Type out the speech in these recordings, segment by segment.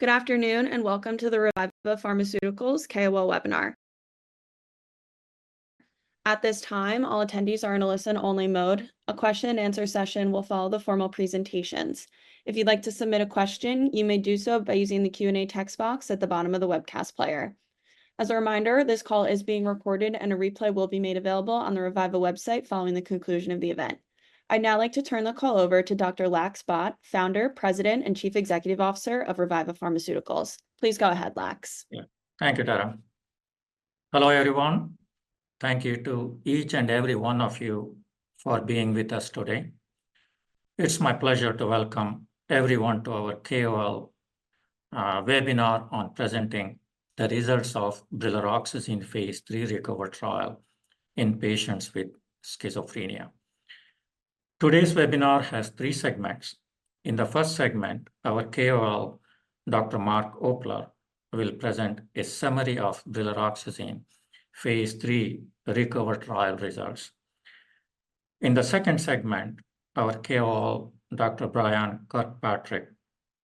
Good afternoon, and welcome to the Reviva Pharmaceuticals KOL Webinar. At this time, all attendees are in a listen-only mode. A question-and-answer session will follow the formal presentations. If you'd like to submit a question, you may do so by using the Q&A text box at the bottom of the webcast player. As a reminder, this call is being recorded, and a replay will be made available on the Reviva website following the conclusion of the event. I'd now like to turn the call over to Dr. Laxminarayan Bhat, founder, president, and chief executive officer of Reviva Pharmaceuticals. Please go ahead, Lax. Yeah. Thank you, Tara. Hello, everyone. Thank you to each and every one of you for being with us today. It's my pleasure to welcome everyone to our KOL webinar on presenting the results of brilaroxazine in phase III RECOVER trial in patients with schizophrenia. Today's webinar has three segments. In the first segment, our KOL, Dr. Mark Opler, will present a summary of brilaroxazine phase III RECOVER trial results. In the second segment, our KOL, Dr. Brian Kirkpatrick,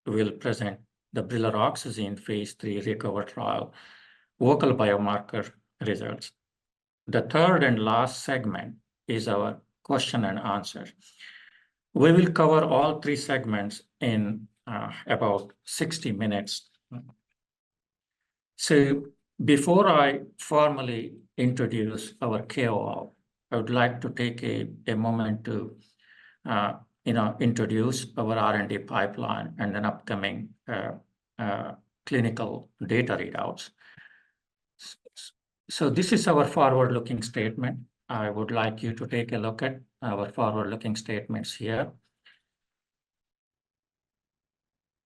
will present the brilaroxazine in phase III RECOVER trial vocal biomarker results. The third and last segment is our question and answer. We will cover all three segments in about 60 minutes. So before I formally introduce our KOL, I would like to take a moment to, you know, introduce our R&D pipeline and an upcoming clinical data readouts. So this is our forward-looking statement. I would like you to take a look at our forward-looking statements here.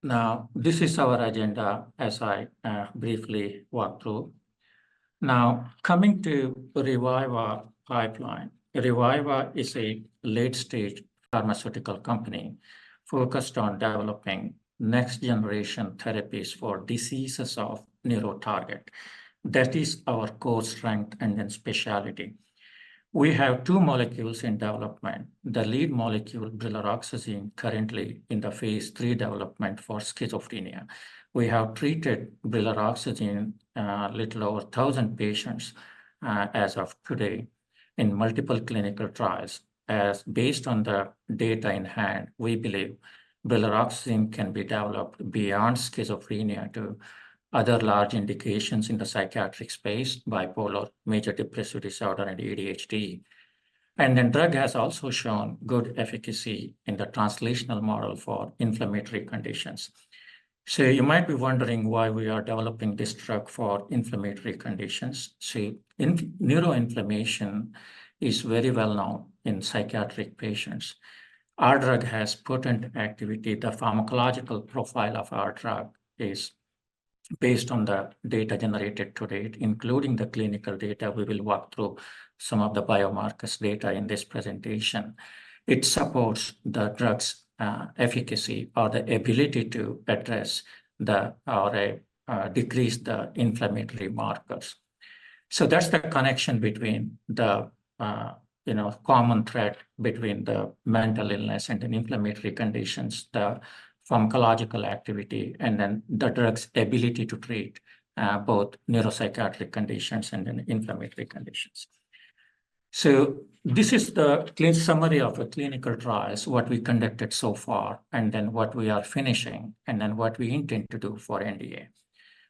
Now, this is our agenda as I briefly walk through. Now, coming to Reviva's pipeline. Reviva is a late-stage pharmaceutical company focused on developing next-generation therapies for diseases of neuropsychiatric. That is our core strength and then specialty. We have two molecules in development. The lead molecule, brilaroxazine, currently in phase III development for schizophrenia. We have treated brilaroxazine a little over 1,000 patients as of today in multiple clinical trials. And based on the data in hand, we believe brilaroxazine can be developed beyond schizophrenia to other large indications in the psychiatric space: bipolar, major depressive disorder, and ADHD. And the drug has also shown good efficacy in the translational model for inflammatory conditions. So you might be wondering why we are developing this drug for inflammatory conditions. See, neuroinflammation is very well known in psychiatric patients. Our drug has potent activity. The pharmacological profile of our drug is based on the data generated to date, including the clinical data. We will walk through some of the biomarkers data in this presentation. It supports the drug's efficacy or the ability to address the decrease the inflammatory markers. So that's the connection between the, you know, common thread between the mental illness and the inflammatory conditions, the pharmacological activity, and then the drug's ability to treat both neuropsychiatric conditions and then inflammatory conditions. So this is the clear summary of the clinical trials, what we conducted so far, and then what we are finishing, and then what we intend to do for NDA.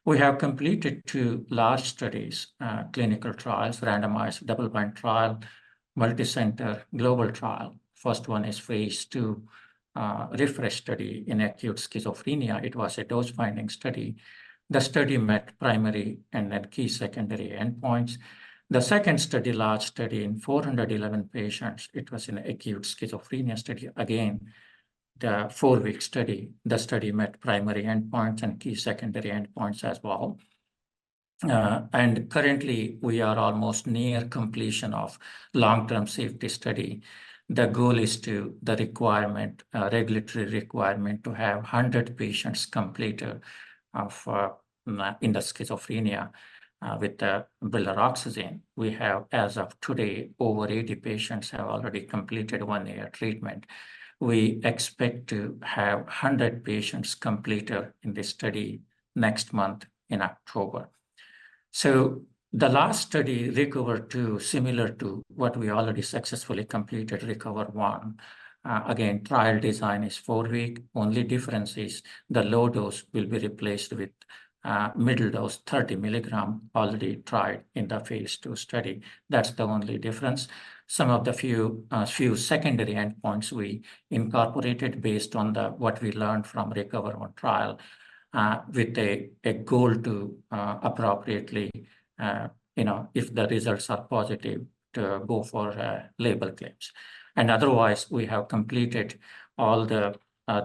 We have completed two large studies, clinical trials, randomized double-blind trial, multicenter global trial. First one is phase II, REFRESH study in acute schizophrenia. It was a dose-finding study. The study met primary and then key secondary endpoints. The second study, large study in 411 patients, it was an acute schizophrenia study. Again, the four-week study, the study met primary endpoints and key secondary endpoints as well. And currently, we are almost near completion of long-term safety study. The goal is to the requirement, regulatory requirement to have 100 patients completed of, in the schizophrenia, with the brilaroxazine. We have, as of today, over 80 patients have already completed one year treatment. We expect to have 100 patients completed in this study next month in October. So the last study, RECOVER-2, similar to what we already successfully completed, RECOVER-1. Again, trial design is four-week. Only difference is the low dose will be replaced with middle dose, thirty milligram, already tried in the phase II study. That's the only difference. Some of the few secondary endpoints we incorporated based on what we learned from RECOVER-1 trial, with a goal to appropriately, you know, if the results are positive, to go for label claims. Otherwise, we have completed all the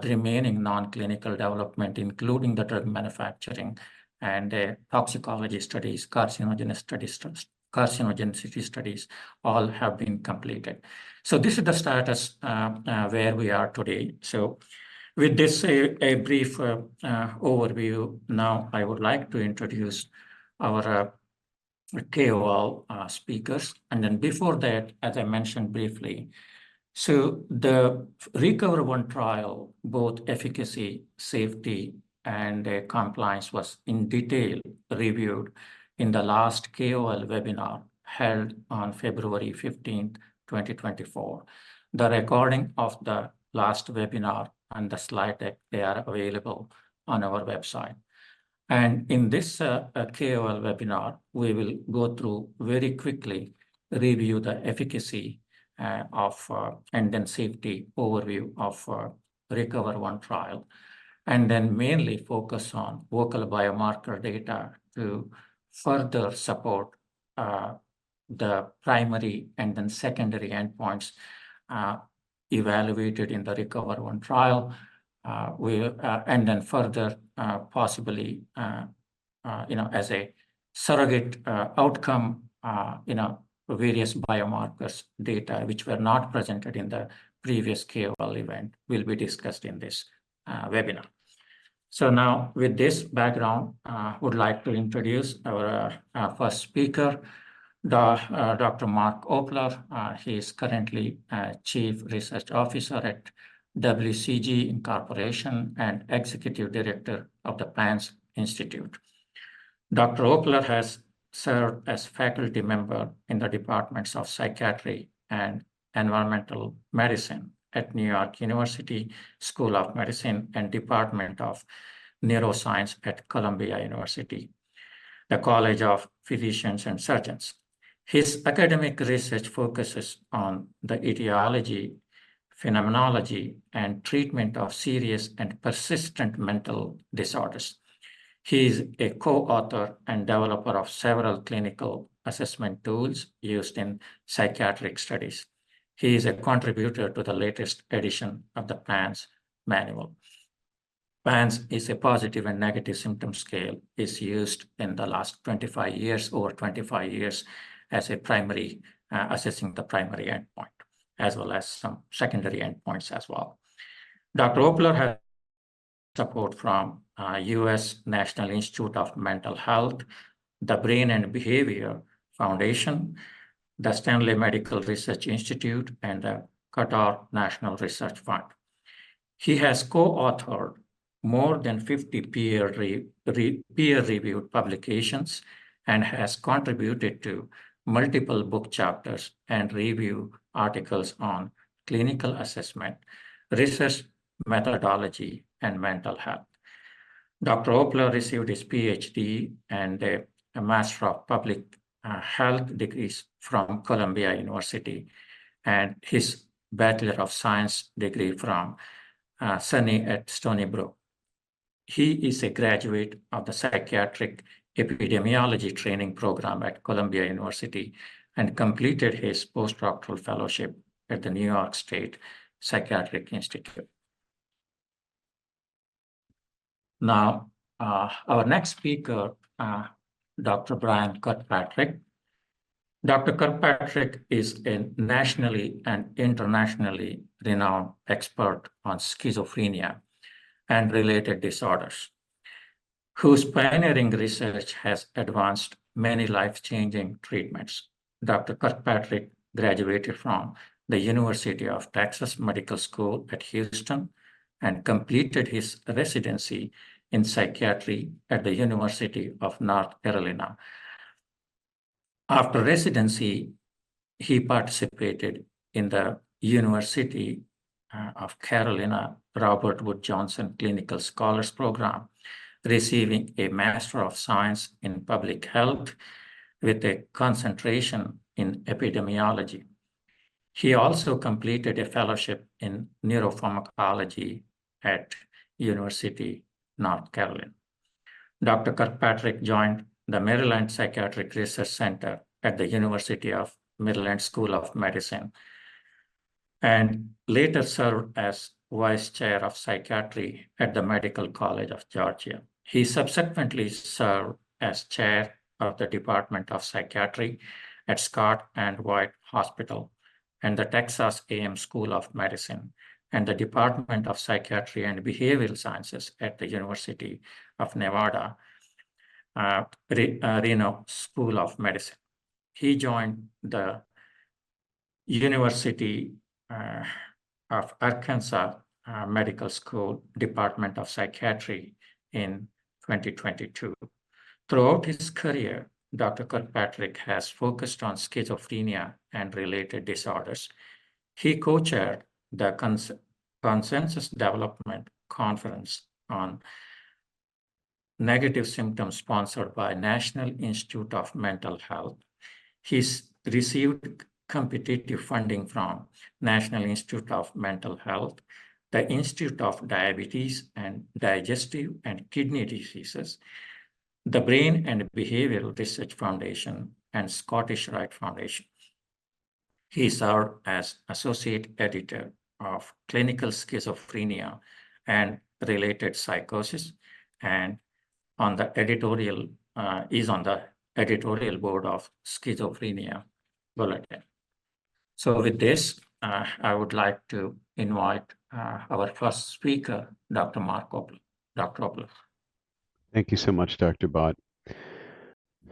remaining non-clinical development, including the drug manufacturing and the toxicology studies, carcinogenicity studies. Carcinogenicity studies all have been completed. This is the status where we are today. With this, a brief overview, now I would like to introduce our speakers. And then before that, as I mentioned briefly, so the RECOVER-1 trial, both efficacy, safety, and compliance was in detail reviewed in the last KOL webinar held on February 15th, 2024. The recording of the last webinar and the slide deck, they are available on our website. And in this KOL webinar, we will go through very quickly, review the efficacy of and then safety overview of RECOVER-1 trial, and then mainly focus on vocal biomarker data to further support the primary and then secondary endpoints evaluated in the RECOVER-1 trial. And then further, possibly, you know, as a surrogate outcome, you know, various biomarkers data which were not presented in the previous KOL event will be discussed in this webinar. Now, with this background, I would like to introduce our first speaker, Dr. Mark Opler. He is currently Chief Research Officer at WCG and Executive Director of the PANSS Institute. Dr. Opler has served as faculty member in the Departments of Psychiatry and Environmental Medicine at New York University School of Medicine, and Department of Neuroscience at Columbia University, the College of Physicians and Surgeons. His academic research focuses on the etiology, phenomenology, and treatment of serious and persistent mental disorders. He is a co-author and developer of several clinical assessment tools used in psychiatric studies. He is a contributor to the latest edition of the PANSS Manual. PANSS is a positive and negative symptom scale, is used in the last twenty-five years, over twenty-five years as a primary, assessing the primary endpoint, as well as some secondary endpoints as well. Dr. Opler has support from, U.S. National Institute of Mental Health, the Brain & Behavior Research Foundation, the Stanley Medical Research Institute, and the Qatar National Research Fund. He has co-authored more than fifty peer-reviewed publications, and has contributed to multiple book chapters and review articles on clinical assessment, research methodology, and mental health. Dr. Opler received his PhD and a Master of Public Health degrees from Columbia University, and his Bachelor of Science degree from SUNY Stony Brook. He is a graduate of the Psychiatric Epidemiology Training Program at Columbia University, and completed his postdoctoral fellowship at the New York State Psychiatric Institute. Now, our next speaker, Dr. Brian Kirkpatrick. Dr. Kirkpatrick is a nationally and internationally renowned expert on schizophrenia and related disorders, whose pioneering research has advanced many life-changing treatments. Dr. Kirkpatrick graduated from the University of Texas Medical School at Houston, and completed his residency in psychiatry at the University of North Carolina. After residency, he participated in the University of North Carolina Robert Wood Johnson Clinical Scholars Program, receiving a Master of Science in Public Health with a concentration in epidemiology. He also completed a fellowship in neuropharmacology at University of North Carolina. Dr. Kirkpatrick joined the Maryland Psychiatric Research Center at the University of Maryland School of Medicine, and later served as Vice Chair of Psychiatry at the Medical College of Georgia. He subsequently served as Chair of the Department of Psychiatry at Scott & White Hospital and the Texas A&M School of Medicine, and the Department of Psychiatry and Behavioral Sciences at the University of Nevada, Reno School of Medicine. He joined the University of Arkansas Medical School, Department of Psychiatry in 2022. Throughout his career, Dr. Kirkpatrick has focused on schizophrenia and related disorders. He co-chaired the Consensus Development Conference on Negative Symptoms, sponsored by National Institute of Mental Health. He's received competitive funding from National Institute of Mental Health, the National Institute of Diabetes and Digestive and Kidney Diseases, the Brain & Behavior Research Foundation, and Scottish Rite Foundation. He served as associate editor of Clinical Schizophrenia and Related Psychosis, and on the editorial board of Schizophrenia Bulletin. With this, I would like to invite our first speaker, Dr. Mark Opler. Dr. Opler? Thank you so much, Dr. Bhat.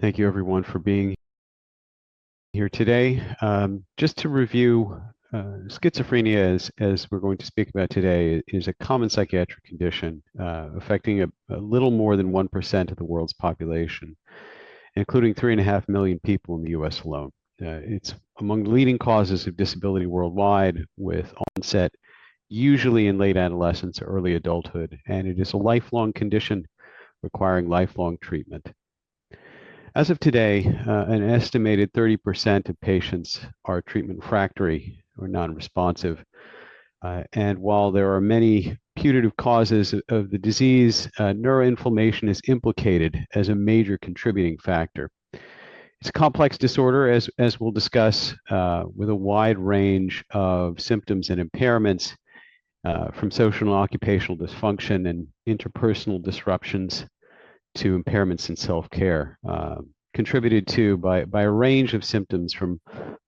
Thank you, everyone, for being here today. Just to review, schizophrenia, as we're going to speak about today, is a common psychiatric condition, affecting a little more than 1% of the world's population, including 3.5 million people in the U.S. alone. It's among the leading causes of disability worldwide, with onset usually in late adolescence or early adulthood, and it is a lifelong condition requiring lifelong treatment. As of today, an estimated 30% of patients are treatment refractory or non-responsive. And while there are many putative causes of the disease, neuroinflammation is implicated as a major contributing factor. It's a complex disorder as we'll discuss with a wide range of symptoms and impairments from social and occupational dysfunction and interpersonal disruptions to impairments in self-care contributed to by a range of symptoms from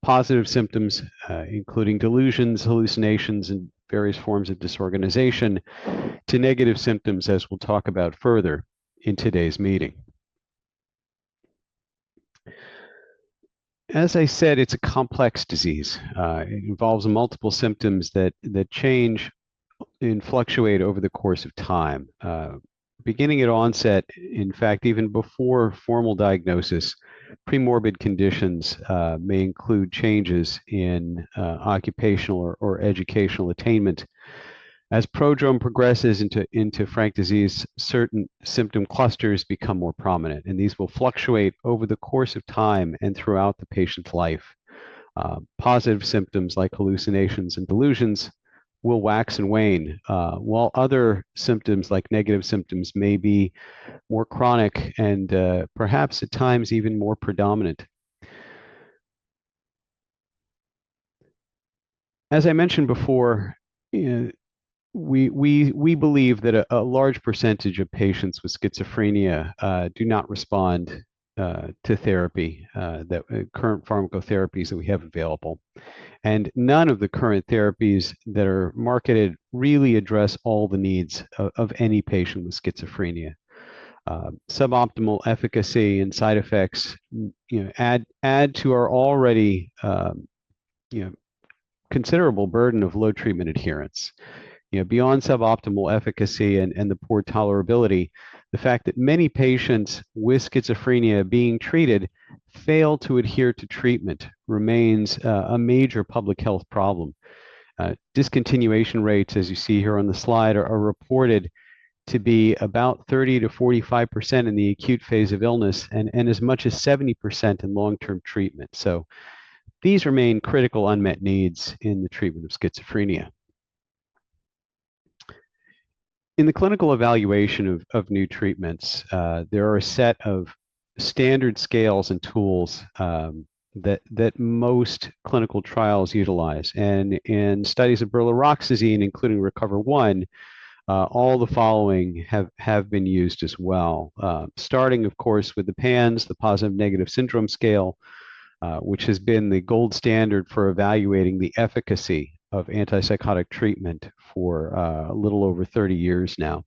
positive symptoms including delusions, hallucinations, and various forms of disorganization to negative symptoms as we'll talk about further in today's meeting. As I said, it's a complex disease. It involves multiple symptoms that change and fluctuate over the course of time. Beginning at onset, in fact, even before formal diagnosis, premorbid conditions may include changes in occupational or educational attainment. As prodrome progresses into frank disease, certain symptom clusters become more prominent, and these will fluctuate over the course of time and throughout the patient's life. Positive symptoms like hallucinations and delusions will wax and wane, while other symptoms, like negative symptoms, may be more chronic and, perhaps at times even more predominant. As I mentioned before, we believe that a large percentage of patients with schizophrenia do not respond to therapy that current pharmacotherapies that we have available, and none of the current therapies that are marketed really address all the needs of any patient with schizophrenia. Suboptimal efficacy and side effects, you know, add to our already, you know, considerable burden of low treatment adherence. You know, beyond suboptimal efficacy and the poor tolerability, the fact that many patients with schizophrenia being treated fail to adhere to treatment remains a major public health problem. Discontinuation rates, as you see here on the slide, are reported to be about 30%-45% in the acute phase of illness and as much as 70% in long-term treatment. So these remain critical unmet needs in the treatment of schizophrenia. In the clinical evaluation of new treatments, there are a set of standard scales and tools that most clinical trials utilize. And in studies of brilaroxazine, including RECOVER-1, all the following have been used as well. Starting, of course, with the PANSS, the Positive and Negative Syndrome Scale, which has been the gold standard for evaluating the efficacy of antipsychotic treatment for a little over 30 years now.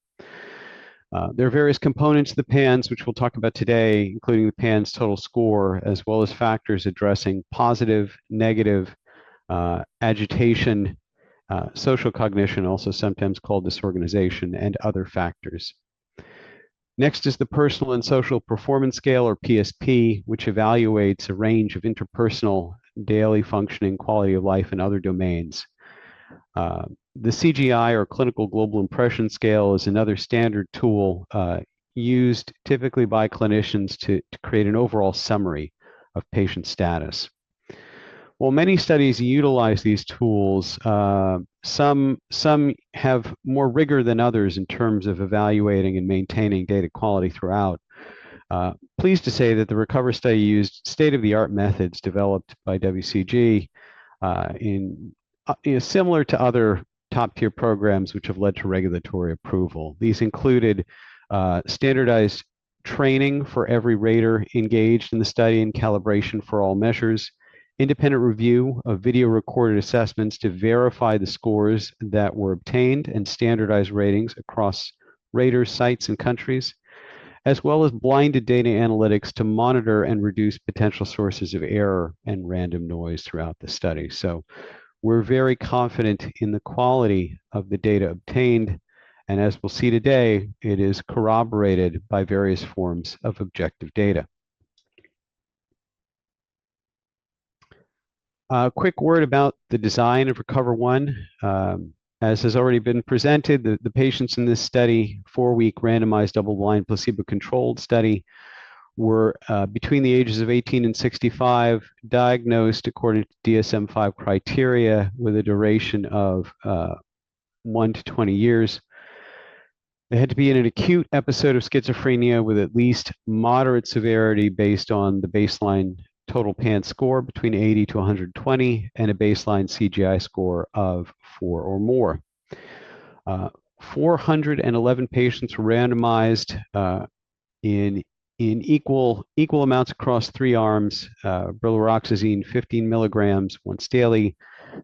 There are various components to the PANSS, which we'll talk about today, including the PANSS total score, as well as factors addressing positive, negative, agitation, social cognition, also sometimes called disorganization, and other factors. Next is the Personal and Social Performance Scale, or PSP, which evaluates a range of interpersonal, daily functioning, quality of life, and other domains. The CGI, or Clinical Global Impression scale, is another standard tool, used typically by clinicians to create an overall summary of patient status. While many studies utilize these tools, some have more rigor than others in terms of evaluating and maintaining data quality throughout. Pleased to say that the RECOVER study used state-of-the-art methods developed by WCG, in similar to other top-tier programs which have led to regulatory approval. These included standardized training for every rater engaged in the study and calibration for all measures, independent review of video-recorded assessments to verify the scores that were obtained, and standardized ratings across rater sites and countries, as well as blinded data analytics to monitor and reduce potential sources of error and random noise throughout the study. So we're very confident in the quality of the data obtained, and as we'll see today, it is corroborated by various forms of objective data. A quick word about the design of RECOVER-1. As has already been presented, the patients in this study, four-week, randomized, double-blind, placebo-controlled study, were between the ages of 18 and 65, diagnosed according to DSM-5 criteria, with a duration of one to 20 years. They had to be in an acute episode of schizophrenia with at least moderate severity, based on the baseline total PANSS score between 80 to 120, and a baseline CGI score of 4 or more. 411 patients randomized in equal amounts across three arms, brilaroxazine 15 milligrams once daily,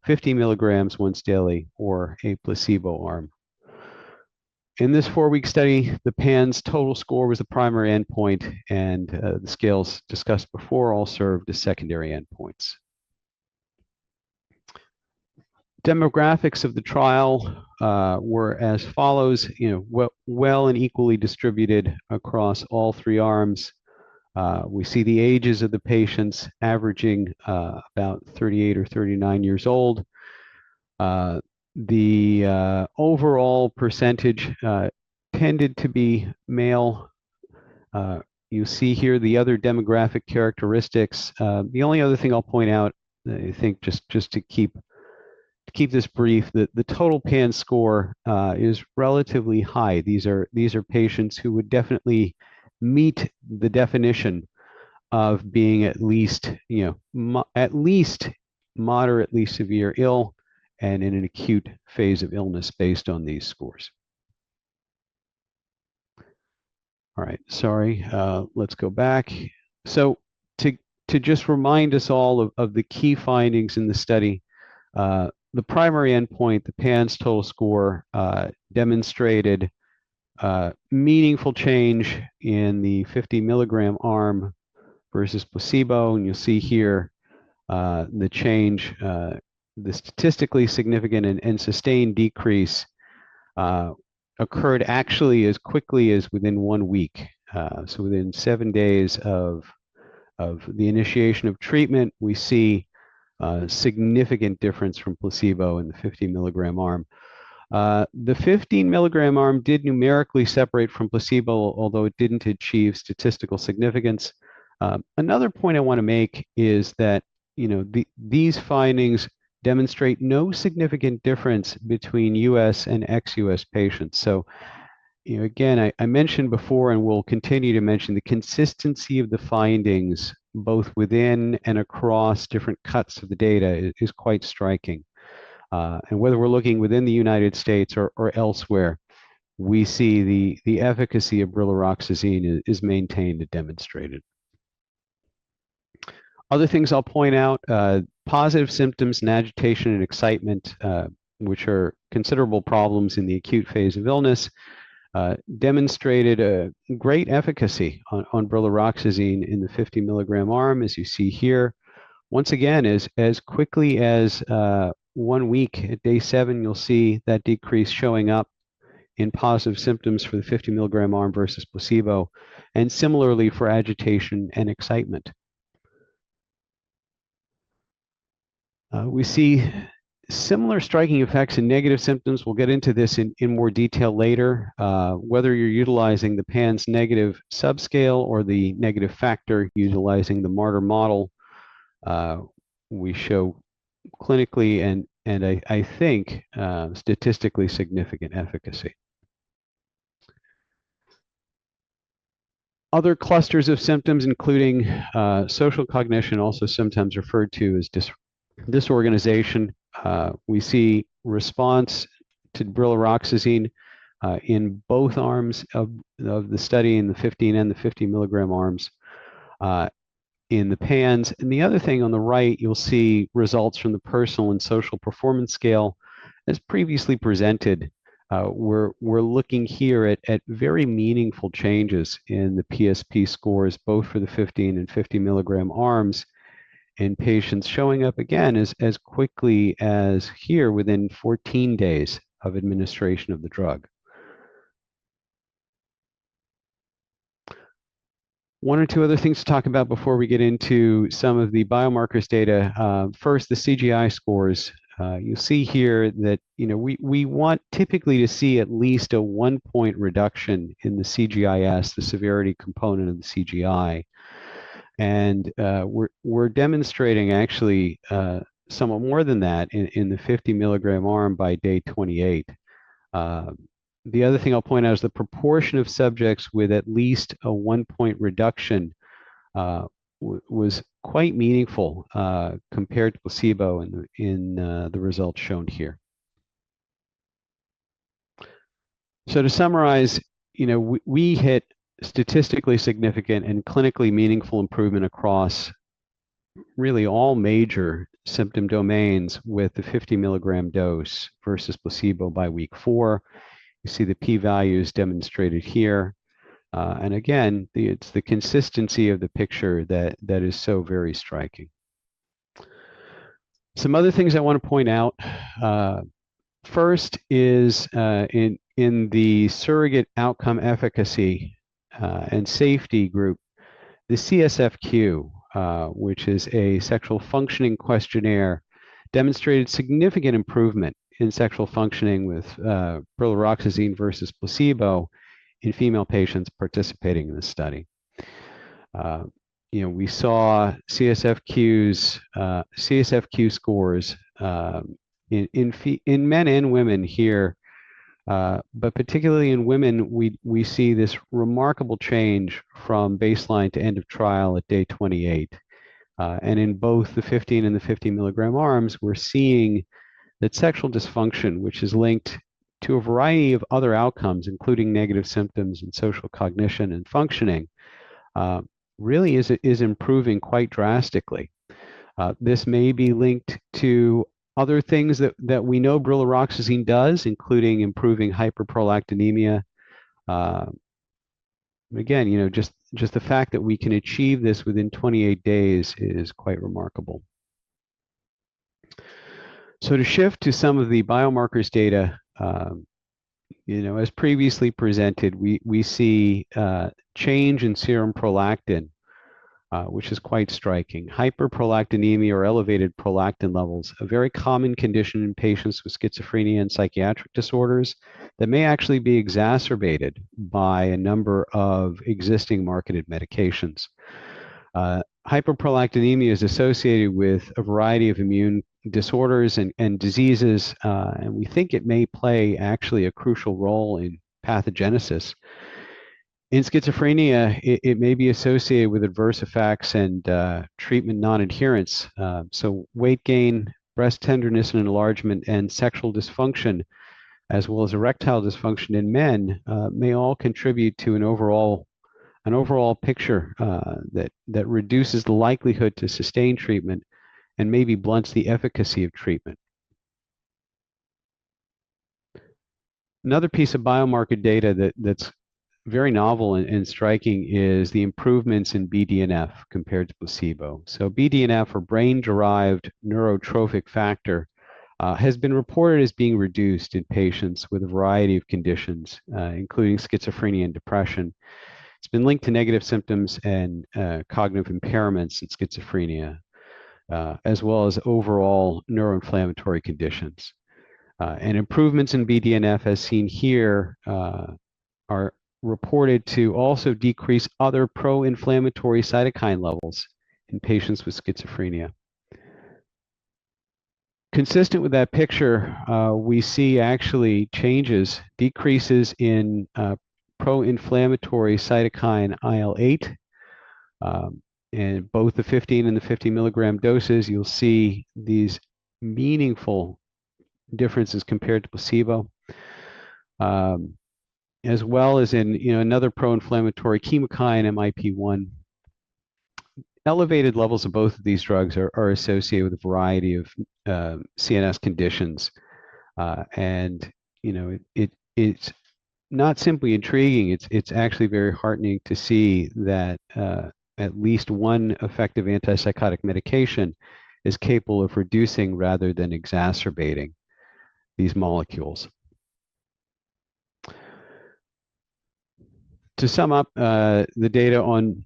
50 milligrams once daily, or a placebo arm. In this four-week study, the PANSS total score was the primary endpoint, and the scales discussed before all served as secondary endpoints. Demographics of the trial were as follows: you know, well and equally distributed across all three arms. We see the ages of the patients averaging about 38 or 39 years old. The overall percentage tended to be male. You see here the other demographic characteristics. The only other thing I'll point out, I think just to keep this brief, the total PANSS score is relatively high. These are patients who would definitely meet the definition of being at least, you know, at least moderately severely ill and in an acute phase of illness based on these scores. All right. Sorry. Let's go back. So to just remind us all of the key findings in the study, the primary endpoint, the PANSS total score, demonstrated meaningful change in the 50-milligram arm versus placebo. And you'll see here, the change, the statistically significant and sustained decrease, occurred actually as quickly as within one week. So within seven days of the initiation of treatment, we see a significant difference from placebo in the 50-milligram arm. The 15-milligram arm did numerically separate from placebo, although it didn't achieve statistical significance. Another point I want to make is that, you know, these findings demonstrate no significant difference between U.S. and ex-U.S. patients. So, you know, again, I mentioned before and will continue to mention, the consistency of the findings both within and across different cuts of the data is quite striking. And whether we're looking within the United States or elsewhere, we see the efficacy of brilaroxazine is maintained and demonstrated. Other things I'll point out, positive symptoms and agitation and excitement, which are considerable problems in the acute phase of illness, demonstrated a great efficacy on brilaroxazine in the 50-milligram arm, as you see here. Once again, as quickly as one week, at day seven, you'll see that decrease showing up in positive symptoms for the fifty-milligram arm versus placebo, and similarly for agitation and excitement. We see similar striking effects in negative symptoms. We'll get into this in more detail later. Whether you're utilizing the PANSS negative subscale or the negative factor, utilizing the Marder model, we show clinically and I think statistically significant efficacy. Other clusters of symptoms, including social cognition, also sometimes referred to as disorganization. We see response to brilaroxazine in both arms of the study, in the fifteen and the fifty-milligram arms in the PANSS. The other thing on the right, you'll see results from the personal and social performance scale as previously presented. We're looking here at very meaningful changes in the PSP scores, both for the fifteen and fifty-milligram arms in patients showing up again as quickly as here, within fourteen days of administration of the drug. One or two other things to talk about before we get into some of the biomarkers data. First, the CGI scores. You'll see here that, you know, we want typically to see at least a one-point reduction in the CGIS, the severity component of the CGI. And, we're demonstrating actually somewhat more than that in the fifty-milligram arm by day twenty-eight. The other thing I'll point out is the proportion of subjects with at least a one-point reduction was quite meaningful compared to placebo in the results shown here. So to summarize, you know, we hit statistically significant and clinically meaningful improvement across really all major symptom domains with the 50-milligram dose versus placebo by week four. You see the p-values demonstrated here. And again, it's the consistency of the picture that is so very striking. Some other things I want to point out, first is in the surrogate outcome, efficacy, and safety group, the CSFQ, which is a sexual functioning questionnaire, demonstrated significant improvement in sexual functioning with brilaroxazine versus placebo in female patients participating in this study. You know, we saw CSFQ scores in men and women here. But particularly in women, we see this remarkable change from baseline to end of trial at day 28. And in both the 15- and 50-milligram arms, we're seeing that sexual dysfunction, which is linked to a variety of other outcomes, including negative symptoms and social cognition and functioning, really is improving quite drastically. This may be linked to other things that we know brilaroxazine does, including improving hyperprolactinemia. Again, you know, just the fact that we can achieve this within 28 days is quite remarkable. So to shift to some of the biomarkers data, you know, as previously presented, we see change in serum prolactin, which is quite striking. Hyperprolactinemia or elevated prolactin levels, a very common condition in patients with schizophrenia and psychiatric disorders that may actually be exacerbated by a number of existing marketed medications. Hyperprolactinemia is associated with a variety of immune disorders and diseases, and we think it may play actually a crucial role in pathogenesis. In schizophrenia, it may be associated with adverse effects and treatment non-adherence. So weight gain, breast tenderness and enlargement, and sexual dysfunction, as well as erectile dysfunction in men, may all contribute to an overall picture that reduces the likelihood to sustain treatment and maybe blunts the efficacy of treatment. Another piece of biomarker data that's very novel and striking is the improvements in BDNF compared to placebo. So BDNF, or brain-derived neurotrophic factor, has been reported as being reduced in patients with a variety of conditions, including schizophrenia and depression. It's been linked to negative symptoms and cognitive impairments in schizophrenia, as well as overall neuroinflammatory conditions. And improvements in BDNF, as seen here, are reported to also decrease other pro-inflammatory cytokine levels in patients with schizophrenia. Consistent with that picture, we see actually changes, decreases in pro-inflammatory cytokine IL-8. In both the fifteen and the fifty-milligram doses, you'll see these meaningful differences compared to placebo. As well as in, you know, another pro-inflammatory chemokine, MIP-1. Elevated levels of both of these drugs are associated with a variety of CNS conditions. And, you know, it's not simply intriguing, it's actually very heartening to see that at least one effective antipsychotic medication is capable of reducing rather than exacerbating these molecules. To sum up, the data on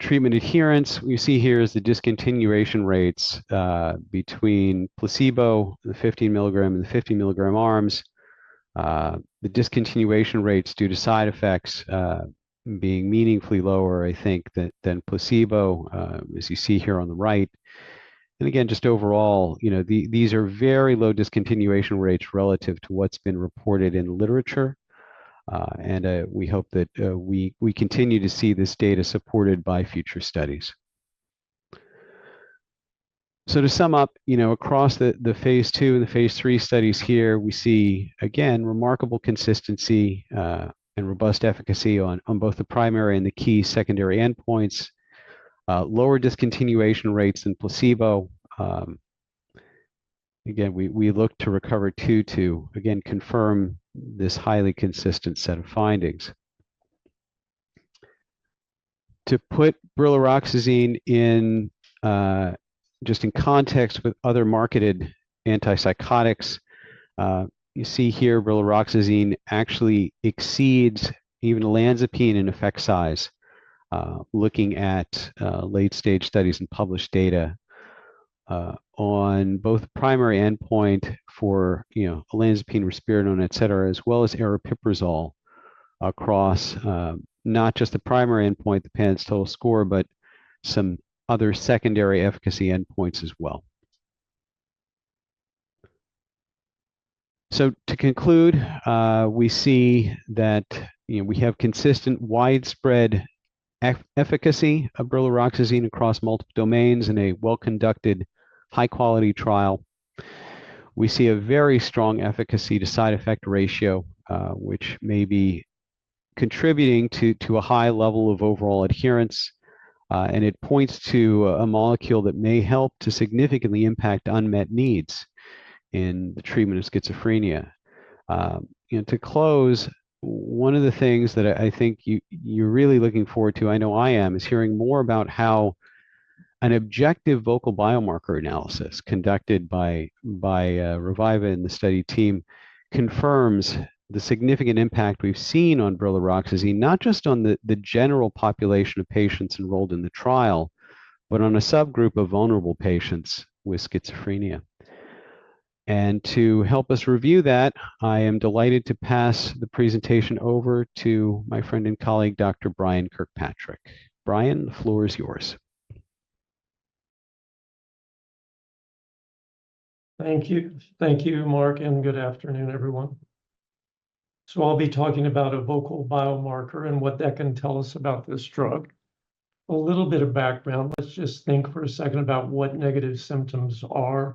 treatment adherence, what you see here is the discontinuation rates between placebo, the fifteen milligram, and the fifty milligram arms. The discontinuation rates due to side effects being meaningfully lower, I think, than placebo, as you see here on the right, and again, just overall, you know, these are very low discontinuation rates relative to what's been reported in literature, and we hope that we continue to see this data supported by future studies, so to sum up, you know, across the phase II and the phase III studies here, we see again remarkable consistency and robust efficacy on both the primary and the key secondary endpoints, lower discontinuation rates than placebo. Again, we look to RECOVER-2 to again confirm this highly consistent set of findings. To put brilaroxazine in, just in context with other marketed antipsychotics, you see here, brilaroxazine actually exceeds even olanzapine in effect size, looking at late-stage studies and published data, on both primary endpoint for, you know, olanzapine, risperidone, et cetera, as well as aripiprazole across, not just the primary endpoint, the PANSS total score, but some other secondary efficacy endpoints as well. So to conclude, we see that, you know, we have consistent, widespread efficacy of brilaroxazine across multiple domains in a well-conducted, high-quality trial. We see a very strong efficacy to side effect ratio, which may be contributing to a high level of overall adherence. It points to a molecule that may help to significantly impact unmet needs in the treatment of schizophrenia. You know, to close, one of the things that I think you're really looking forward to, I know I am, is hearing more about how an objective vocal biomarker analysis conducted by Reviva and the study team confirms the significant impact we've seen on brilaroxazine, not just on the general population of patients enrolled in the trial, but on a subgroup of vulnerable patients with schizophrenia. And to help us review that, I am delighted to pass the presentation over to my friend and colleague, Dr. Brian Kirkpatrick. Brian, the floor is yours. Thank you. Thank you, Mark, and good afternoon, everyone. So I'll be talking about a vocal biomarker and what that can tell us about this drug. A little bit of background, let's just think for a second about what negative symptoms are.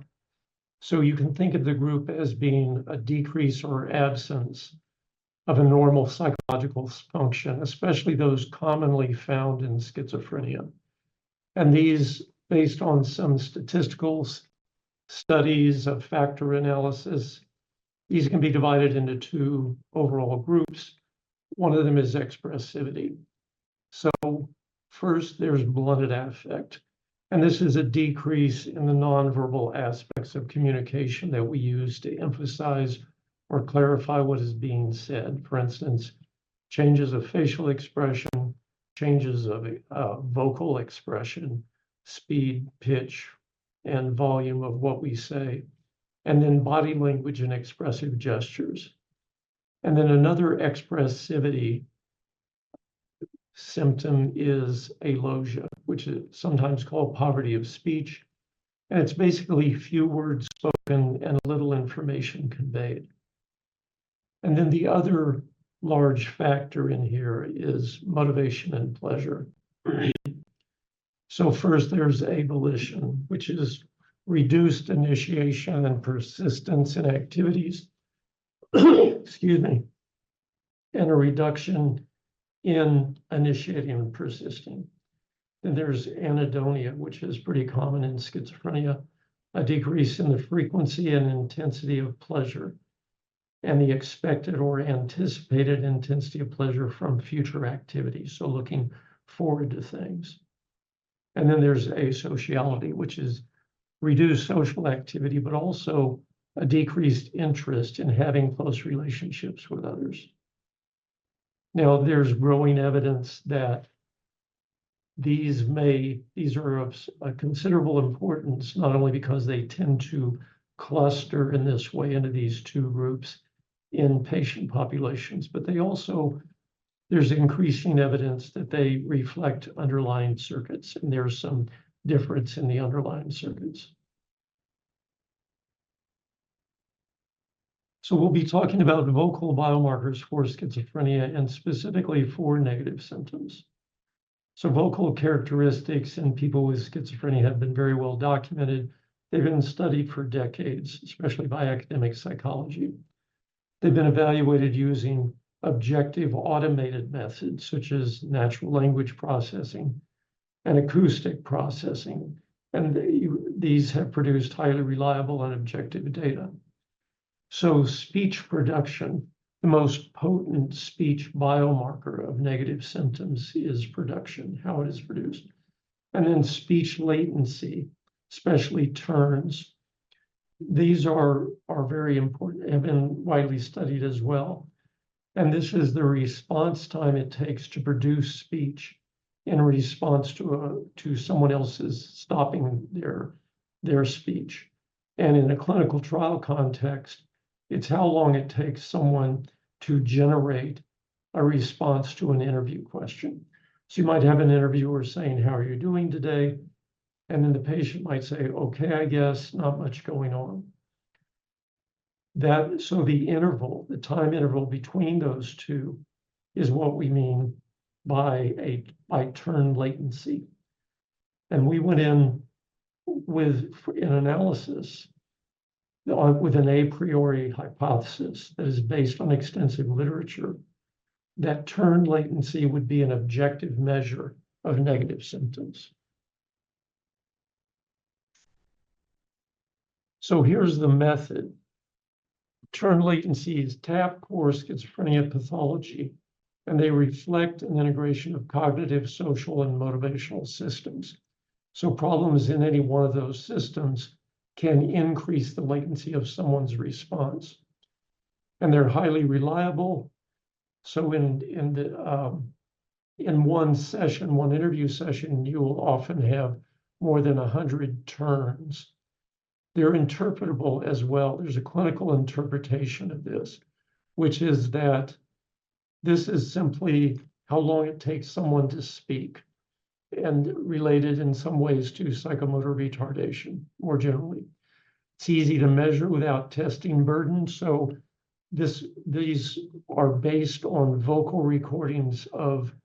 So you can think of the group as being a decrease or absence of a normal psychological function, especially those commonly found in schizophrenia. And these, based on some statistical studies of factor analysis, these can be divided into two overall groups. One of them is expressivity. So first, there's blunted affect, and this is a decrease in the non-verbal aspects of communication that we use to emphasize or clarify what is being said. For instance, changes of facial expression, changes of vocal expression, speed, pitch, and volume of what we say, and then body language and expressive gestures. And then another expressivity symptom is alogia, which is sometimes called poverty of speech, and it's basically few words spoken and little information conveyed. And then the other large factor in here is motivation and pleasure. So first, there's avolition, which is reduced initiation and persistence in activities, excuse me, and a reduction in initiating and persisting. Then there's anhedonia, which is pretty common in schizophrenia, a decrease in the frequency and intensity of pleasure, and the expected or anticipated intensity of pleasure from future activities, so looking forward to things. And then there's asociality, which is reduced social activity, but also a decreased interest in having close relationships with others. Now, there's growing evidence that these are of a considerable importance, not only because they tend to cluster in this way into these two groups in patient populations, but there's increasing evidence that they reflect underlying circuits, and there is some difference in the underlying circuits, so we'll be talking about vocal biomarkers for schizophrenia, and specifically for negative symptoms, so vocal characteristics in people with schizophrenia have been very well documented. They've been studied for decades, especially by academic psychology. They've been evaluated using objective automated methods, such as natural language processing and acoustic processing, and these have produced highly reliable and objective data, so speech production, the most potent speech biomarker of negative symptoms, is production, how it is produced, and then speech latency, especially turns. These are very important and been widely studied as well. And this is the response time it takes to produce speech in response to, to someone else's stopping their speech. And in a clinical trial context, it's how long it takes someone to generate a response to an interview question. So you might have an interviewer saying: "How are you doing today?" And then the patient might say: "Okay, I guess. Not much going on." So the interval, the time interval between those two, is what we mean by turn latency. And we went in with an analysis, with an a priori hypothesis that is based on extensive literature, that turn latency would be an objective measure of negative symptoms. So here's the method. Turn latency taps core schizophrenia pathology, and they reflect an integration of cognitive, social, and motivational systems. Problems in any one of those systems can increase the latency of someone's response, and they're highly reliable. In one session, one interview session, you will often have more than 100 turns. They're interpretable as well. There's a clinical interpretation of this, which is that this is simply how long it takes someone to speak, and related in some ways to psychomotor retardation, more generally. It's easy to measure without testing burden, so these are based on vocal recordings of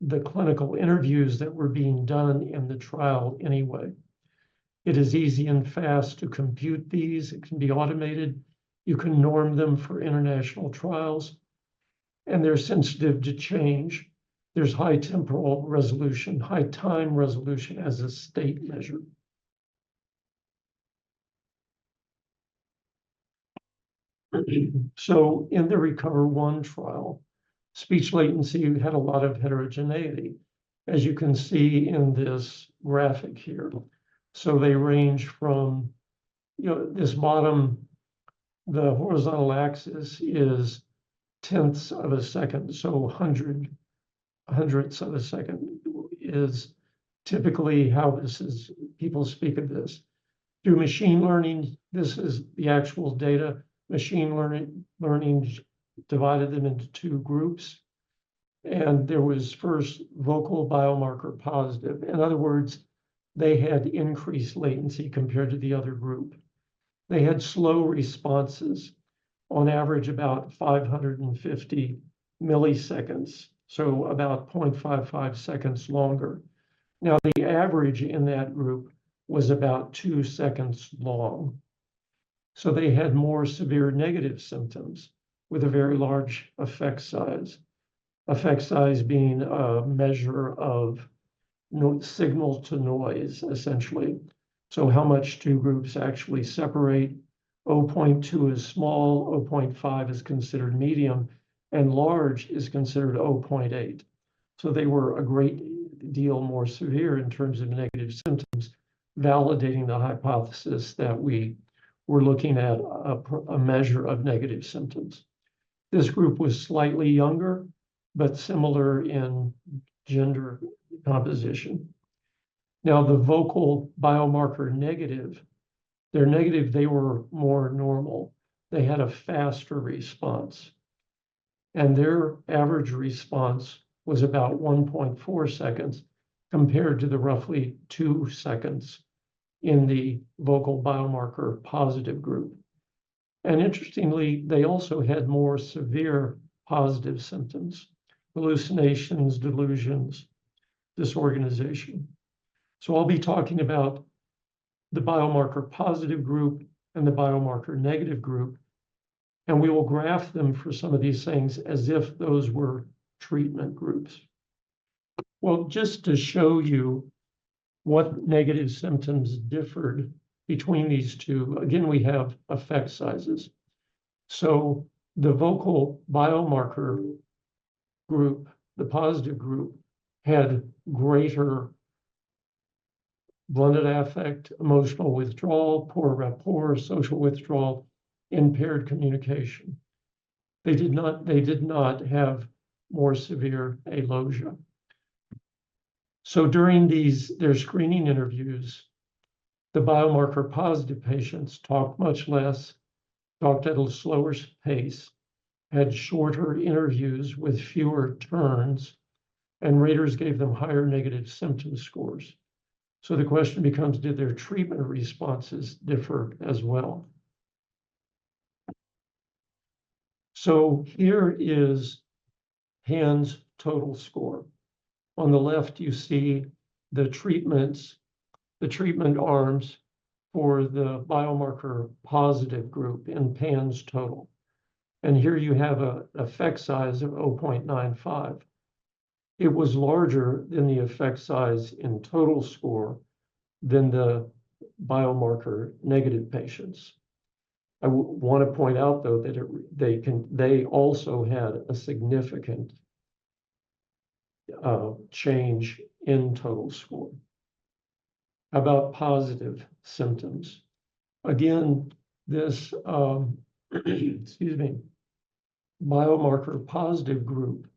the clinical interviews that were being done in the trial anyway. It is easy and fast to compute these. It can be automated. You can norm them for international trials, and they're sensitive to change. There's high temporal resolution, high time resolution as a state measure. In the RECOVER-1 trial, speech latency had a lot of heterogeneity, as you can see in this graphic here. They range from, you know, this bottom. The horizontal axis is tenths of a second, so 100 hundredths of a second is typically how this is people speak of this. Through machine learning, this is the actual data. Machine learning learnings divided them into two groups, and there was first vocal biomarker positive. In other words, they had increased latency compared to the other group... They had slow responses, on average about 550 milliseconds, so about 0.55 seconds longer. Now, the average in that group was about 2 seconds long. They had more severe negative symptoms with a very large effect size. Effect size being a measure of no signal to noise, essentially. How much two groups actually separate? Oh, 0.2 is small, 0.5 is considered medium, and large is considered 0.8. So they were a great deal more severe in terms of negative symptoms, validating the hypothesis that we were looking at a measure of negative symptoms. This group was slightly younger, but similar in gender composition. Now, the vocal biomarker negative, they're negative, they were more normal. They had a faster response, and their average response was about 1.4 seconds, compared to the roughly 2 seconds in the vocal biomarker positive group. And interestingly, they also had more severe positive symptoms, hallucinations, delusions, disorganization. So I'll be talking about the biomarker positive group and the biomarker negative group, and we will graph them for some of these things as if those were treatment groups. Just to show you what negative symptoms differed between these two, again, we have effect sizes. The vocal biomarker group, the positive group, had greater blunted affect, emotional withdrawal, poor rapport, social withdrawal, impaired communication. They did not, they did not have more severe alogia. During these, their screening interviews, the biomarker positive patients talked much less, talked at a slower pace, had shorter interviews with fewer turns, and raters gave them higher negative symptom scores. The question becomes, did their treatment responses differ as well? Here is PANSS total score. On the left, you see the treatments, the treatment arms for the biomarker positive group in PANSS total. Here you have an effect size of 0.95. It was larger than the effect size in total score than the biomarker negative patients. I want to point out, though, that they also had a significant change in total score. About positive symptoms, again, this biomarker positive group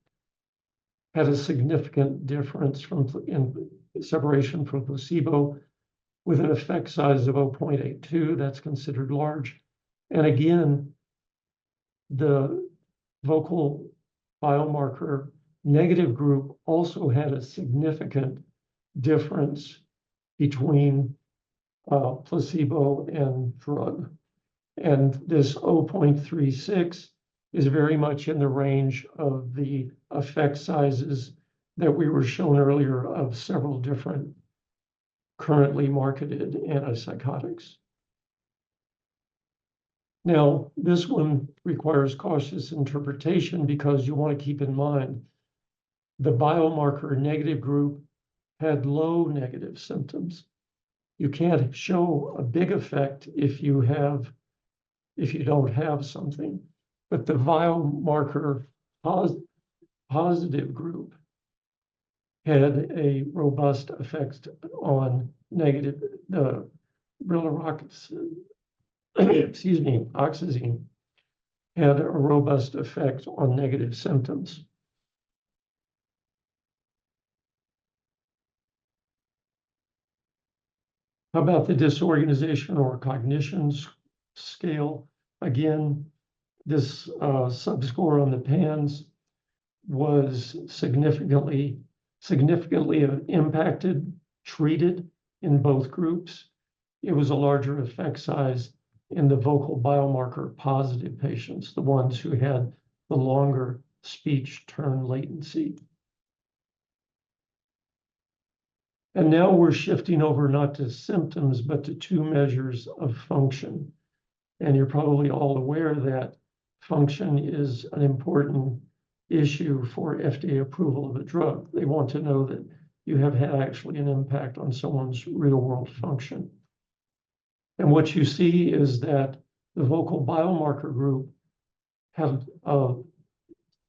had a significant difference from placebo in separation from placebo with an effect size of 0.82, that's considered large, and again, the vocal biomarker negative group also had a significant difference between placebo and drug, and this 0.36 is very much in the range of the effect sizes that we were shown earlier of several different currently marketed antipsychotics. Now, this one requires cautious interpretation because you want to keep in mind, the biomarker negative group had low negative symptoms. You can't show a big effect if you have- if you don't have something, but the biomarker positive group had a robust effect on negative, the brilaroxazine, excuse me, had a robust effect on negative symptoms. How about the disorganization or cognitions scale? Again, this subscore on the PANSS was significantly impacted, treated in both groups. It was a larger effect size in the vocal biomarker positive patients, the ones who had the longer speech turn latency. Now we're shifting over not to symptoms, but to two measures of function. You're probably all aware that function is an important issue for FDA approval of a drug. They want to know that you have had actually an impact on someone's real-world function. What you see is that the vocal biomarker group has a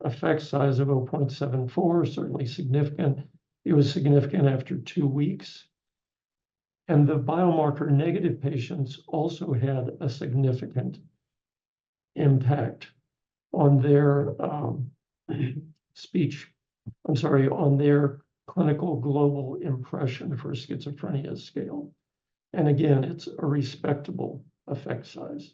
effect size of 0.74, certainly significant. It was significant after two weeks. And the biomarker negative patients also had a significant impact on their speech. I'm sorry, on their Clinical Global Impression for Schizophrenia scale. And again, it's a respectable effect size.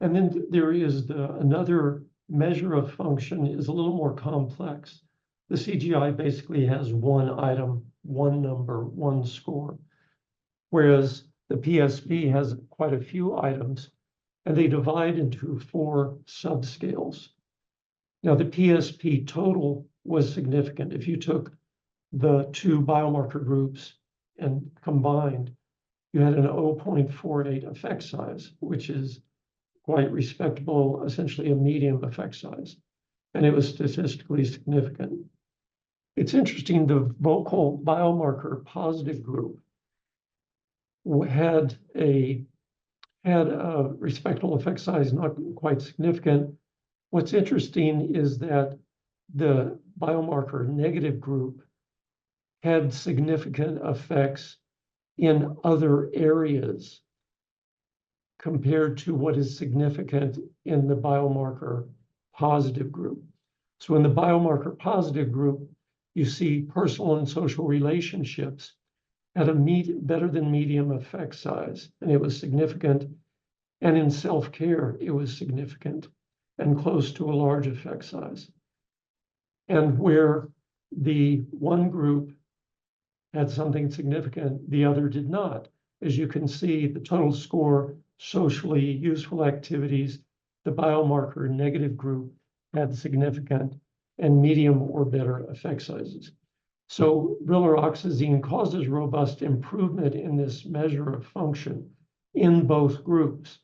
And then there is the another measure of function is a little more complex. The CGI basically has one item, one number, one score, whereas the PSP has quite a few items, and they divide into four subscales. Now, the PSP total was significant. If you took the two biomarker groups and combined, you had a 0.48 effect size, which is quite respectable, essentially a medium effect size, and it was statistically significant. It's interesting, the vocal biomarker positive group had a respectable effect size, not quite significant. What's interesting is that the biomarker negative group had significant effects in other areas compared to what is significant in the biomarker positive group. So in the biomarker positive group, you see personal and social relationships at a better than medium effect size, and it was significant. In self-care, it was significant and close to a large effect size. Where the one group had something significant, the other did not. As you can see, the total score, socially useful activities, the biomarker negative group had significant and medium or better effect sizes. Brilaroxazine causes robust improvement in this measure of function in both groups,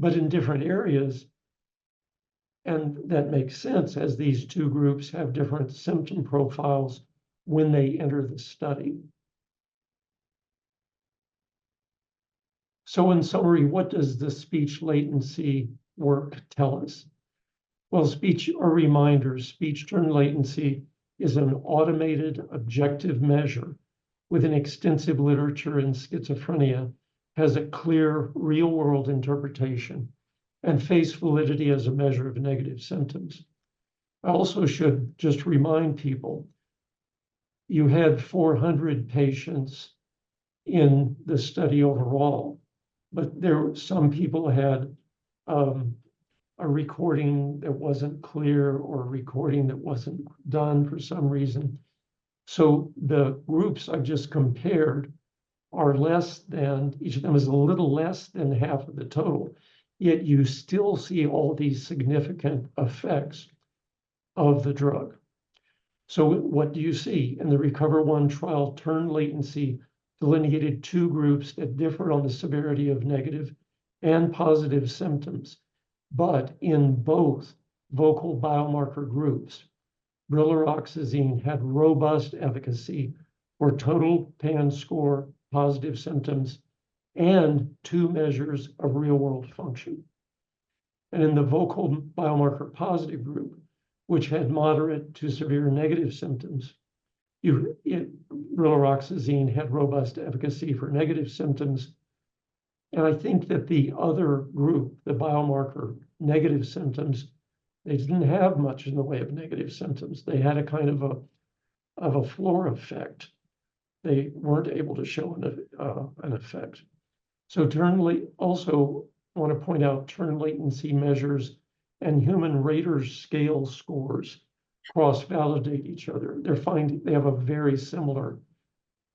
but in different areas, and that makes sense, as these two groups have different symptom profiles when they enter the study. In summary, what does the speech latency work tell us? Well, speech... A reminder, speech turn latency is an automated objective measure with an extensive literature in schizophrenia. It has a clear real-world interpretation and face validity as a measure of negative symptoms. I also should just remind people, you had 400 patients in the study overall, but there were some people who had, a recording that wasn't clear or a recording that wasn't done for some reason. So the groups I've just compared are less than, each of them is a little less than half of the total, yet you still see all these significant effects of the drug. So what do you see? In the RECOVER-1 trial, turn latency delineated two groups that differed on the severity of negative and positive symptoms, but in both vocal biomarker groups, brilaroxazine had robust efficacy for total PANSS score, positive symptoms, and two measures of real-world function. In the vocal biomarker positive group, which had moderate to severe negative symptoms, brilaroxazine had robust efficacy for negative symptoms. I think that the other group, the biomarker negative symptoms, they didn't have much in the way of negative symptoms. They had a kind of a floor effect. They weren't able to show an effect. Turn latency also, I want to point out, turn latency measures and human rater scale scores cross-validate each other. They're finding they have a very similar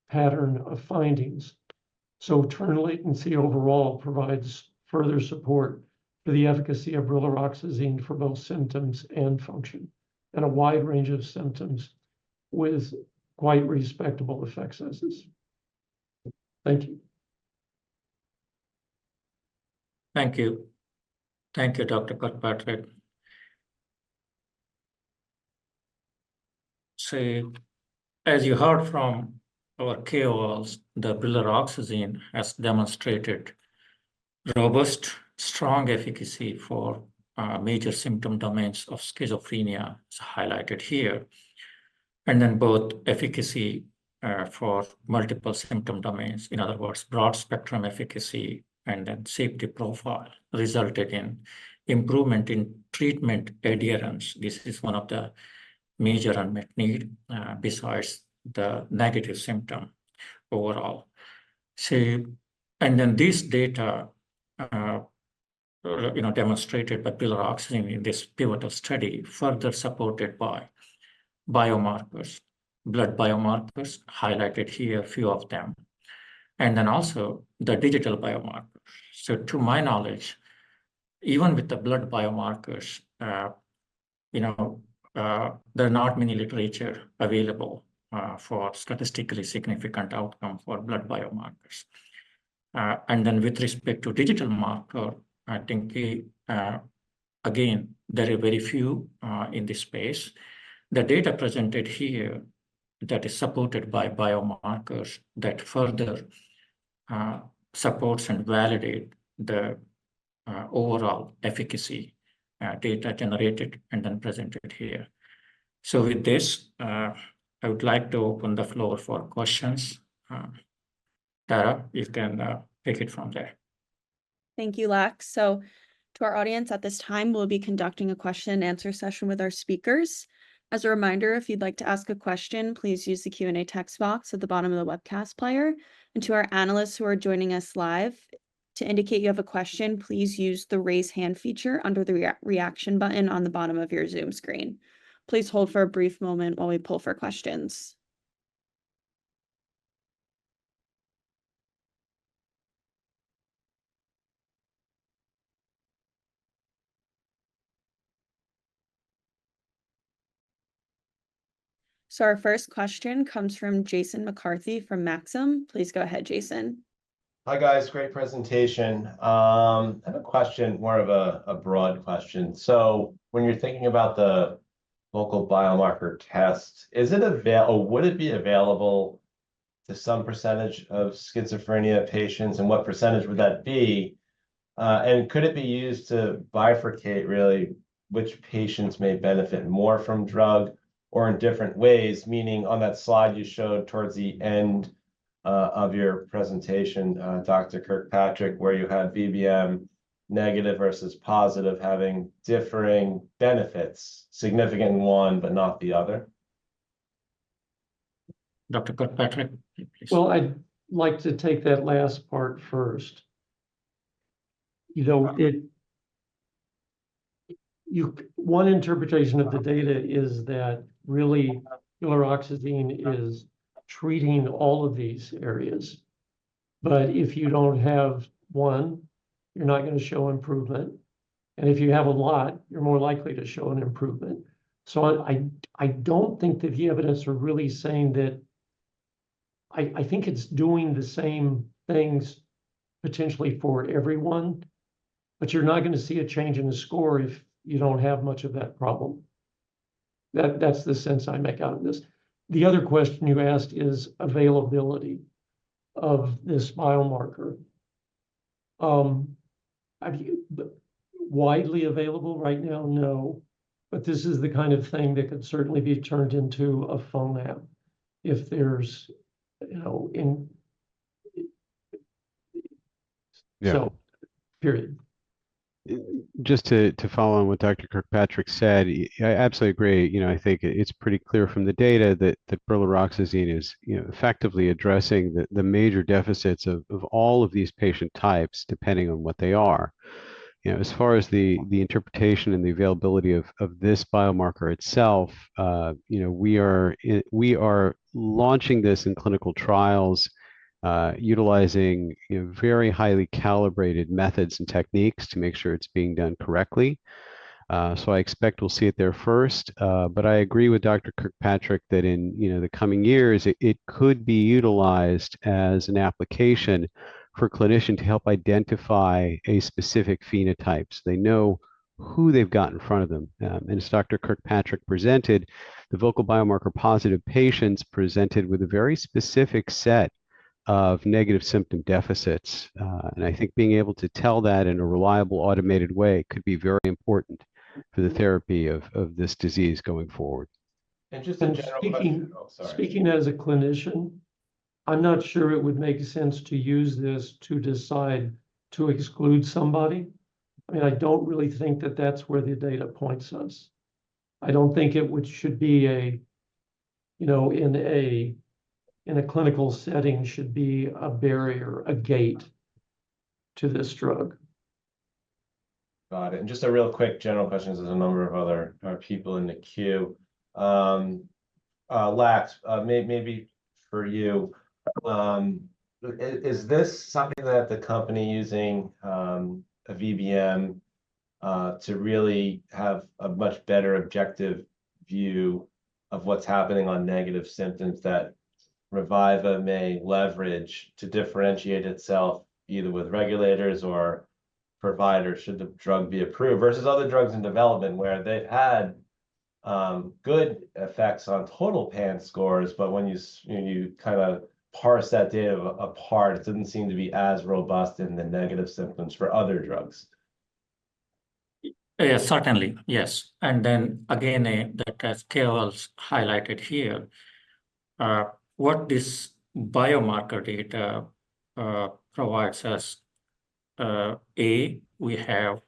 pattern of findings. Turn latency overall provides further support for the efficacy of brilaroxazine for both symptoms and function, and a wide range of symptoms with quite respectable effect sizes. Thank you. Thank you. Thank you, Dr. Kirkpatrick. So as you heard from our KOLs, the brilaroxazine has demonstrated robust, strong efficacy for major symptom domains of schizophrenia, as highlighted here, and then both efficacy for multiple symptom domains, in other words, broad-spectrum efficacy, and then safety profile resulted in improvement in treatment adherence. This is one of the major unmet need, besides the negative symptom overall. So, and then this data, you know, demonstrated by brilaroxazine in this pivotal study, further supported by biomarkers, blood biomarkers, highlighted here, a few of them, and then also the digital biomarkers. So to my knowledge, even with the blood biomarkers, you know, there are not many literature available for statistically significant outcome for blood biomarkers. And then with respect to digital marker, I think, again, there are very few in this space. The data presented here that is supported by biomarkers that further supports and validate the overall efficacy data generated and then presented here. So with this, I would like to open the floor for questions. Tara, you can take it from there. Thank you, Lax. So to our audience, at this time, we'll be conducting a question and answer session with our speakers. As a reminder, if you'd like to ask a question, please use the Q&A text box at the bottom of the webcast player. And to our analysts who are joining us live. To indicate you have a question, please use the Raise Hand feature under the Reaction button on the bottom of your Zoom screen. Please hold for a brief moment while we pull for questions. So our first question comes from Jason McCarthy from Maxim. Please go ahead, Jason. Hi, guys. Great presentation. I have a question, more of a broad question. So when you're thinking about the vocal biomarker test, is it available or would it be available to some percentage of schizophrenia patients, and what percentage would that be? And could it be used to bifurcate, really, which patients may benefit more from drug or in different ways, meaning on that slide you showed towards the end of your presentation, Dr. Kirkpatrick, where you had VBM negative versus positive, having differing benefits, significant in one but not the other? Dr. Kirkpatrick, please. I'd like to take that last part first. You know, one interpretation of the data is that really, brilaroxazine is treating all of these areas, but if you don't have one, you're not gonna show improvement, and if you have a lot, you're more likely to show an improvement. So I don't think that the evidence are really saying that. I think it's doing the same things potentially for everyone, but you're not gonna see a change in the score if you don't have much of that problem. That's the sense I make out of this. The other question you asked is availability of this biomarker. Widely available right now, no, but this is the kind of thing that could certainly be turned into a phone app if there's, you know, in- Yeah. So, period. Just to follow on what Dr. Kirkpatrick said, I absolutely agree. You know, I think it's pretty clear from the data that the brilaroxazine is, you know, effectively addressing the major deficits of all of these patient types, depending on what they are. You know, as far as the interpretation and the availability of this biomarker itself, you know, we are launching this in clinical trials, utilizing, you know, very highly calibrated methods and techniques to make sure it's being done correctly. So I expect we'll see it there first. But I agree with Dr. Kirkpatrick that in you know the coming years, it could be utilized as an application for clinician to help identify a specific phenotypes. They know who they've got in front of them. And as Dr. Kirkpatrick presented, the vocal biomarker-positive patients presented with a very specific set of negative symptom deficits, and I think being able to tell that in a reliable, automated way could be very important for the therapy of this disease going forward. And just a general question- And speaking- Oh, sorry. Speaking as a clinician, I'm not sure it would make sense to use this to decide to exclude somebody. I mean, I don't really think that that's where the data points us. I don't think it should be a, you know, in a clinical setting, should be a barrier, a gate to this drug. Got it. And just a real quick general question, there's a number of other people in the queue. Lax, maybe for you. Is this something that the company using a VBM to really have a much better objective view of what's happening on negative symptoms that Reviva may leverage to differentiate itself, either with regulators or providers, should the drug be approved, versus other drugs in development, where they've had good effects on total PANSS scores, but when you, you know, kind of parse that data apart, it doesn't seem to be as robust in the negative symptoms for other drugs? Yeah, certainly, yes. And then again, that table highlighted here, what this biomarker data provides us. We have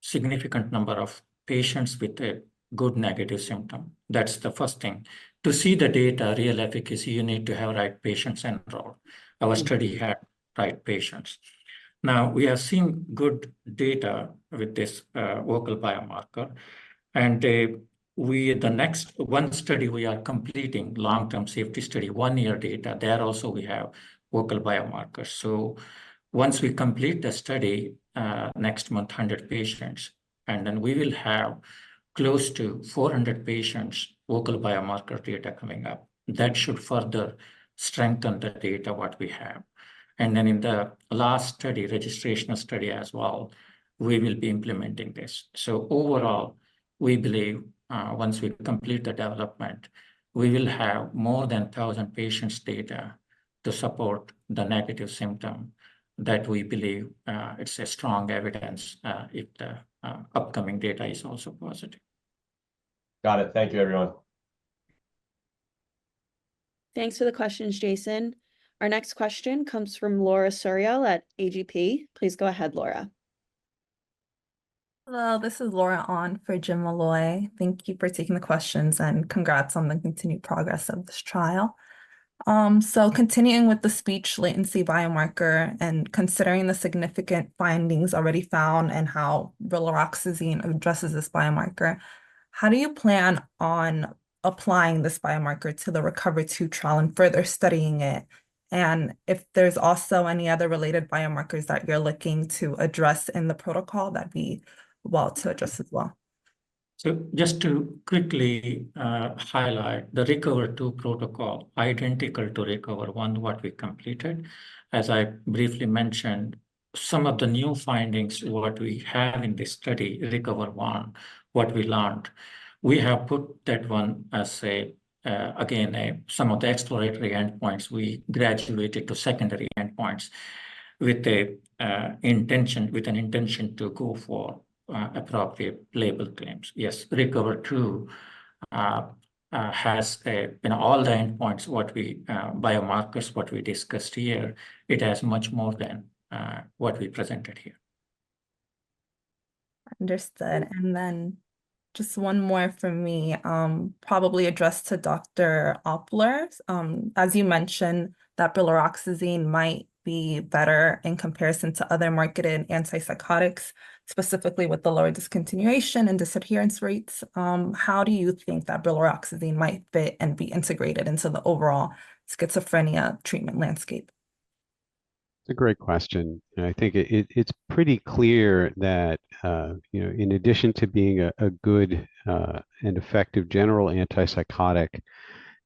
significant number of patients with a good negative symptom. That's the first thing. To see the data, real efficacy, you need to have right patients enrolled. Our study had right patients. Now, we have seen good data with this vocal biomarker, and we. The next one study, we are completing long-term safety study, one-year data. There also, we have vocal biomarkers. So once we complete the study, next month, 100 patients, and then we will have close to 400 patients, vocal biomarker data coming up. That should further strengthen the data, what we have. And then in the last study, registrational study as well, we will be implementing this. Overall, we believe once we complete the development, we will have more than thousand patients' data to support the negative symptom that we believe it's a strong evidence if the upcoming data is also positive. Got it. Thank you, everyone. Thanks for the questions, Jason. Our next question comes from Laura Suriel at AGP. Please go ahead, Laura. Hello, this is Laura Suriel for Jim Molloy. Thank you for taking the questions, and congrats on the continued progress of this trial. So continuing with the speech latency biomarker and considering the significant findings already found and how brilaroxazine addresses this biomarker, how do you plan on applying this biomarker to the RECOVER-2 trial and further studying it? And if there's also any other related biomarkers that you're looking to address in the protocol, that'd be well to address as well. So just to quickly highlight the RECOVER-2 protocol, identical to RECOVER-1, what we completed. As I briefly mentioned, some of the new findings, what we have in this study, RECOVER-1, what we learned, we have put that one as a, again, as some of the exploratory endpoints. We graduated to secondary endpoints with a intention, with an intention to go for appropriate label claims. Yes, RECOVER-2 has a, you know, all the endpoints, what we, biomarkers, what we discussed here, it has much more than what we presented here. Understood. And then just one more from me, probably addressed to Dr. Opler. As you mentioned, that brilaroxazine might be better in comparison to other marketed antipsychotics, specifically with the lower discontinuation and disappearance rates. How do you think that brilaroxazine might fit and be integrated into the overall schizophrenia treatment landscape? It's a great question, and I think it's pretty clear that, you know, in addition to being a good and effective general antipsychotic, you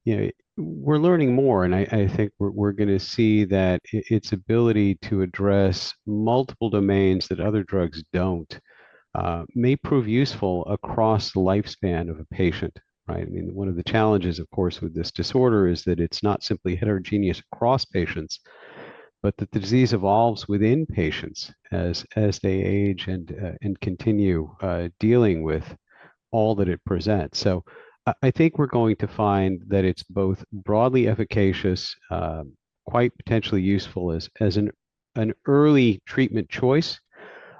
know, we're learning more, and I think we're gonna see that its ability to address multiple domains that other drugs don't may prove useful across the lifespan of a patient, right? I mean, one of the challenges, of course, with this disorder is that it's not simply heterogeneous across patients, but that the disease evolves within patients as they age and continue dealing with all that it presents. So I think we're going to find that it's both broadly efficacious, quite potentially useful as an early treatment choice,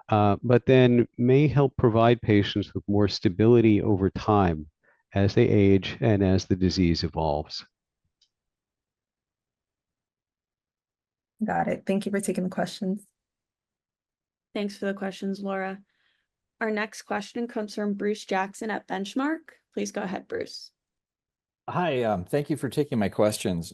but then may help provide patients with more stability over time as they age and as the disease evolves. Got it. Thank you for taking the questions. Thanks for the questions, Laura. Our next question comes from Bruce Jackson at Benchmark. Please go ahead, Bruce. Hi, thank you for taking my questions.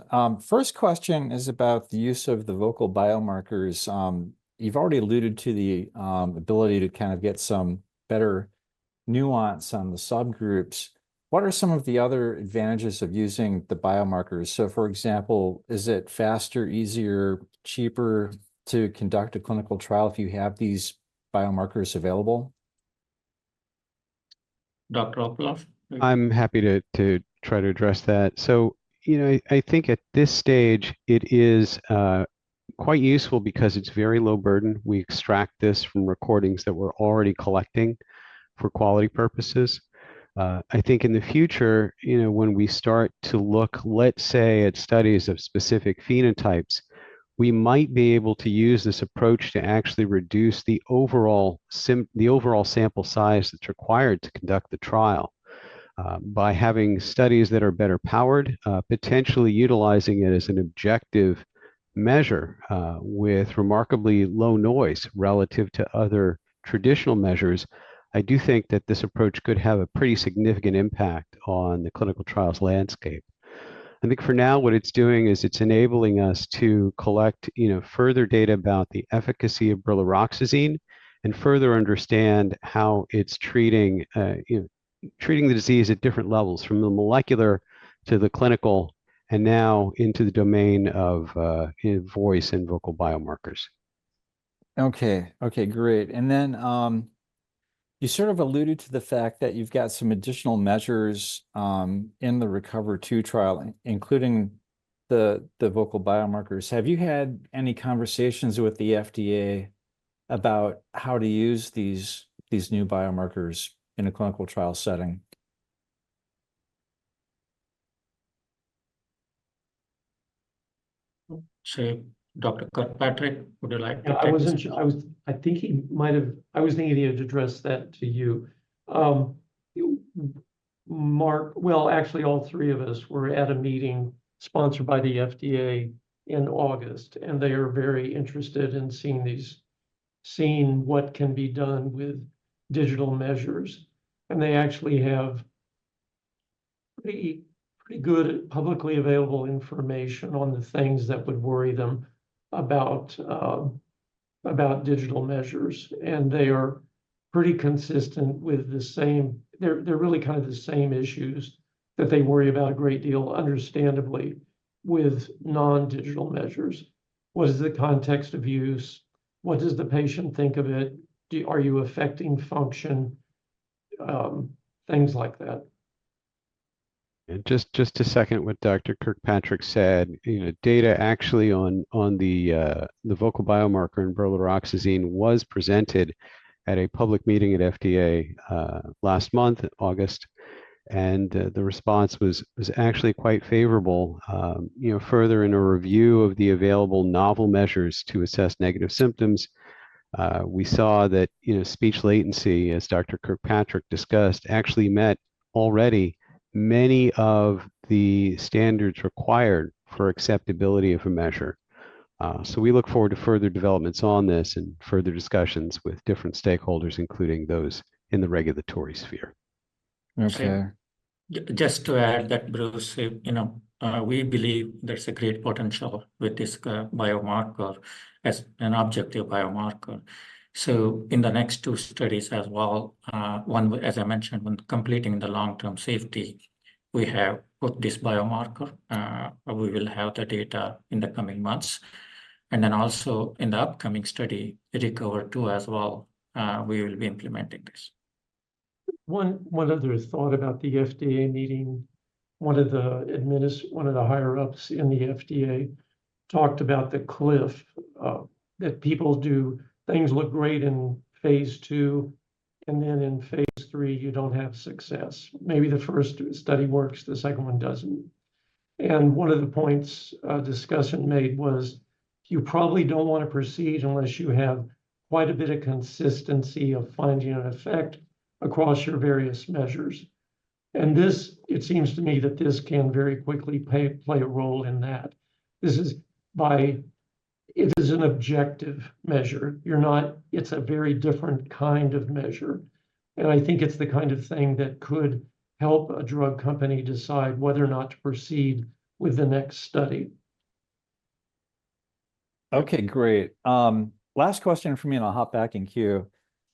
First question is about the use of the vocal biomarkers. You've already alluded to the ability to kind of get some better nuance on the subgroups. What are some of the other advantages of using the biomarkers? So, for example, is it faster, easier, cheaper to conduct a clinical trial if you have these biomarkers available? Dr. Opler? I'm happy to try to address that. So, you know, I think at this stage, it is quite useful because it's very low burden. We extract this from recordings that we're already collecting for quality purposes. I think in the future, you know, when we start to look, let's say, at studies of specific phenotypes, we might be able to use this approach to actually reduce the overall sample size that's required to conduct the trial. By having studies that are better powered, potentially utilizing it as an objective measure, with remarkably low noise relative to other traditional measures, I do think that this approach could have a pretty significant impact on the clinical trials landscape. I think for now, what it's doing is it's enabling us to collect, you know, further data about the efficacy of brilaroxazine and further understand how it's treating, you know, treating the disease at different levels, from the molecular to the clinical, and now into the domain of, voice and vocal biomarkers. Okay. Okay, great. And then, you sort of alluded to the fact that you've got some additional measures in the RECOVER-2 trial, including the vocal biomarkers. Have you had any conversations with the FDA about how to use these new biomarkers in a clinical trial setting? So, Dr. Kirkpatrick, would you like to take this? he might have to address that to you. I was thinking he had to address that to you. Mark. Actually, all three of us were at a meeting sponsored by the FDA in August, and they are very interested in seeing these, seeing what can be done with digital measures. They actually have pretty, pretty good publicly available information on the things that would worry them about, about digital measures, and they are pretty consistent with the same. They're really kind of the same issues that they worry about a great deal, understandably, with non-digital measures. What is the context of use? What does the patient think of it? Are you affecting function? Things like that. And just to second what Dr. Kirkpatrick said, you know, data actually on the vocal biomarker in brilaroxazine was presented at a public meeting at FDA last month in August, and the response was actually quite favorable. You know, further in a review of the available novel measures to assess negative symptoms, we saw that, you know, speech latency, as Dr. Kirkpatrick discussed, actually met already many of the standards required for acceptability of a measure. So we look forward to further developments on this and further discussions with different stakeholders, including those in the regulatory sphere. Okay. Just to add that, Bruce, you know, we believe there's a great potential with this biomarker as an objective biomarker. So in the next two studies as well, one, as I mentioned, when completing the long-term safety, we have put this biomarker. We will have the data in the coming months, and then also in the upcoming study, RECOVER-2 as well, we will be implementing this. One other thought about the FDA meeting. One of the higher-ups in the FDA talked about the cliff that people do. Things look great in phase II, and then in phase III, you don't have success. Maybe the first study works, the second one doesn't. And one of the points, discussion made was you probably don't want to proceed unless you have quite a bit of consistency of finding an effect across your various measures. And this, it seems to me that this can very quickly play a role in that. This is by... It is an objective measure. It's a very different kind of measure, and I think it's the kind of thing that could help a drug company decide whether or not to proceed with the next study. Okay, great. Last question from me, and I'll hop back in queue.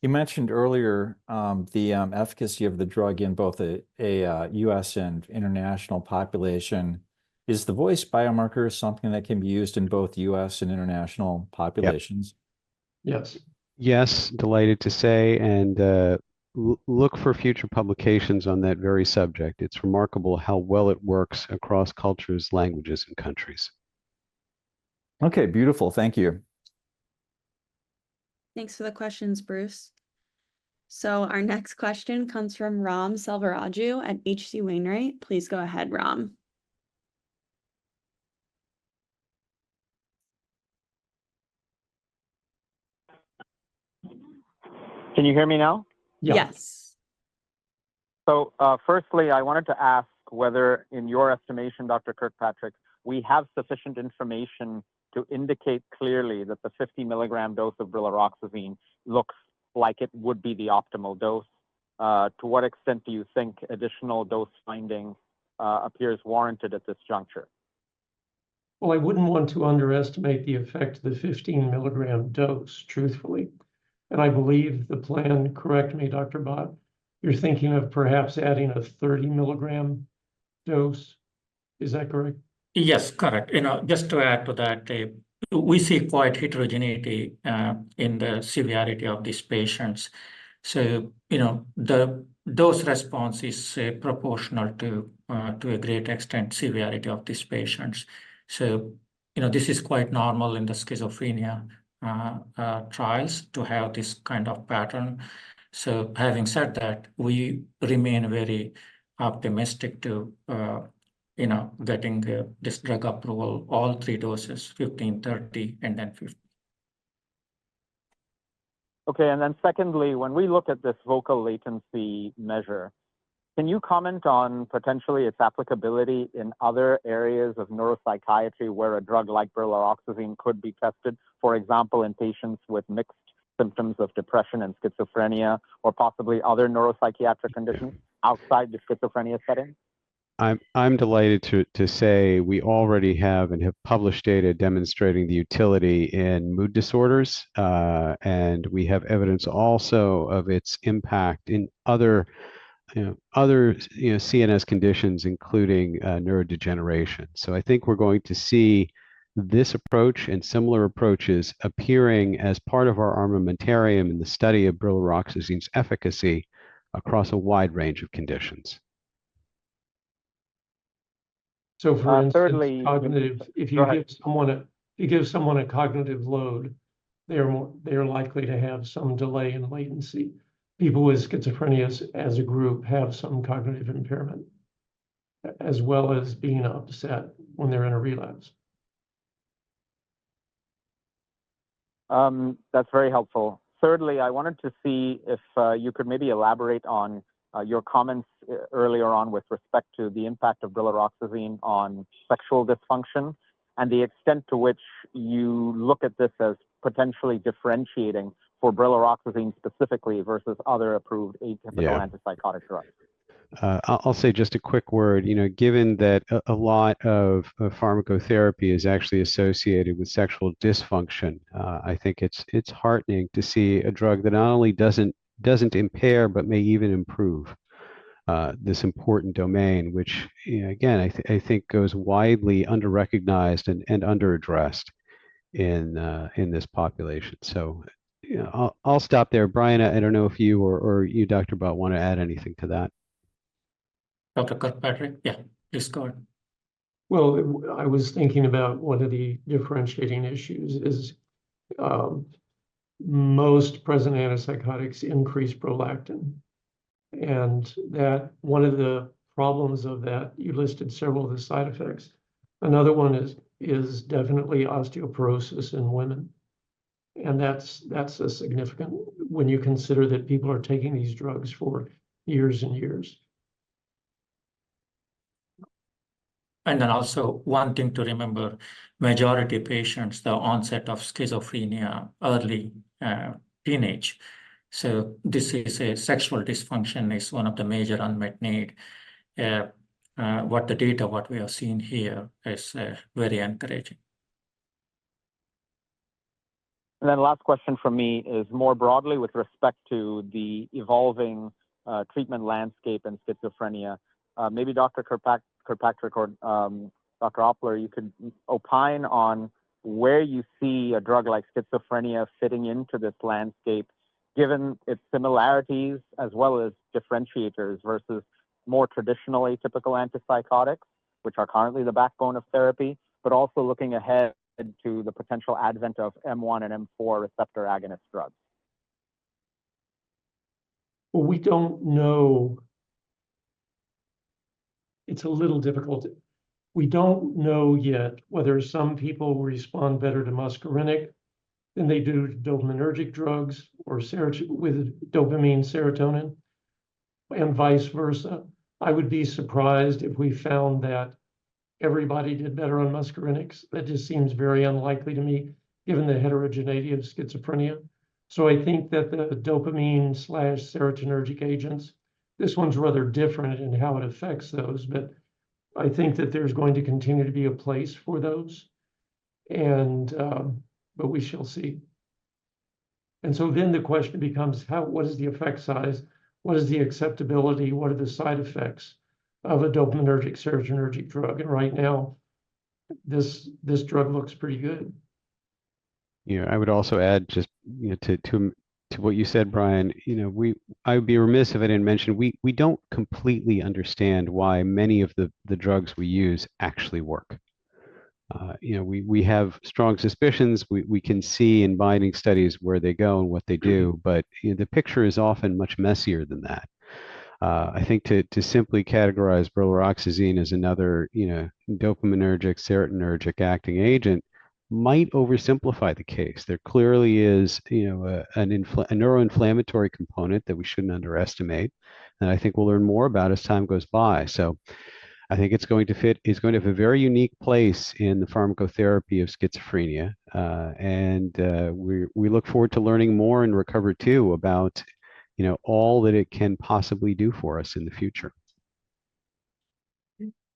You mentioned earlier, the efficacy of the drug in both a US and international population. Is the voice biomarker something that can be used in both US and international populations? Yep. Yes. Yes, delighted to say, and look for future publications on that very subject. It's remarkable how well it works across cultures, languages, and countries. Okay, beautiful. Thank you. Thanks for the questions, Bruce. So our next question comes from Ram Selvaraju at H.C. Wainwright. Please go ahead, Ram. Can you hear me now? Yes. Yes. Firstly, I wanted to ask whether, in your estimation, Dr. Kirkpatrick, we have sufficient information to indicate clearly that the 50-milligram dose of brilaroxazine looks like it would be the optimal dose. To what extent do you think additional dose finding appears warranted at this juncture? I wouldn't want to underestimate the effect of the fifteen-milligram dose, truthfully, and I believe the plan, correct me, Dr. Bhat, you're thinking of perhaps adding a thirty-milligram dose. Is that correct? Yes, correct. You know, just to add to that, we see quite heterogeneity in the severity of these patients. So, you know, the dose response is proportional to, to a great extent, severity of these patients. So, you know, this is quite normal in the schizophrenia trials to have this kind of pattern. So having said that, we remain very optimistic to, you know, getting the this drug approval, all three doses, 15, 30, and then 50. Okay, and then secondly, when we look at this vocal latency measure, can you comment on potentially its applicability in other areas of neuropsychiatry, where a drug like brilaroxazine could be tested, for example, in patients with mixed symptoms of depression and schizophrenia or possibly other neuropsychiatric conditions outside the schizophrenia setting? I'm delighted to say we already have published data demonstrating the utility in mood disorders. And we have evidence also of its impact in other, you know, CNS conditions, including neurodegeneration. So I think we're going to see this approach and similar approaches appearing as part of our armamentarium in the study of brilaroxazine's efficacy across a wide range of conditions. So, for instance- Uh, thirdly-... cognitive- Go ahead. If you give someone a cognitive load, they're likely to have some delay in latency. People with schizophrenia, as a group, have some cognitive impairment, as well as being upset when they're in a relapse. That's very helpful. Thirdly, I wanted to see if you could maybe elaborate on your comments earlier on with respect to the impact of brilaroxazine on sexual dysfunction and the extent to which you look at this as potentially differentiating for brilaroxazine specifically versus other approved atypical- Yeah... antipsychotic drugs. I'll say just a quick word. You know, given that a lot of pharmacotherapy is actually associated with sexual dysfunction, I think it's heartening to see a drug that not only doesn't impair but may even improve this important domain, which, you know, again, I think goes widely under-recognized and under-addressed in this population, so you know, I'll stop there. Brian, I don't know if you or you, Dr. Bhat, want to add anything to that. Dr. Kirkpatrick? Yeah, please go on. Well, I was thinking about one of the differentiating issues is, most present antipsychotics increase prolactin, and that one of the problems of that, you listed several of the side effects. Another one is definitely osteoporosis in women, and that's a significant when you consider that people are taking these drugs for years and years. And then also, one thing to remember: majority of patients, the onset of schizophrenia, early, teenage. So this is a sexual dysfunction is one of the major unmet need. What the data, what we are seeing here is, very encouraging. Then last question from me is more broadly with respect to the evolving treatment landscape in schizophrenia. Maybe Dr. Kirkpatrick or Dr. Opler, you could opine on where you see a drug like brilaroxazine fitting into this landscape, given its similarities as well as differentiators versus more traditionally typical antipsychotics, which are currently the backbone of therapy, but also looking ahead into the potential advent of M1 and M4 receptor agonist drugs. We don't know. It's a little difficult. We don't know yet whether some people respond better to muscarinic than they do to dopaminergic drugs or serotonergic with dopamine, serotonin, and vice versa. I would be surprised if we found that everybody did better on muscarinics. That just seems very unlikely to me, given the heterogeneity of schizophrenia. So I think that the dopamine slash serotonergic agents, this one's rather different in how it affects those, but I think that there's going to continue to be a place for those, and, but we shall see. And so then the question becomes, how, what is the effect size? What is the acceptability? What are the side effects of a dopaminergic, serotonergic drug? And right now, this, this drug looks pretty good. You know, I would also add just, you know, to what you said, Brian, you know, I would be remiss if I didn't mention, we don't completely understand why many of the drugs we use actually work. You know, we have strong suspicions. We can see in binding studies where they go and what they do, but, you know, the picture is often much messier than that. I think to simply categorize brilaroxazine as another, you know, dopaminergic, serotonergic-acting agent might oversimplify the case. There clearly is, you know, a neuroinflammatory component that we shouldn't underestimate, and I think we'll learn more about as time goes by. So I think it's going to fit. It's going to have a very unique place in the pharmacotherapy of schizophrenia. We look forward to learning more in RECOVER-2 about, you know, all that it can possibly do for us in the future.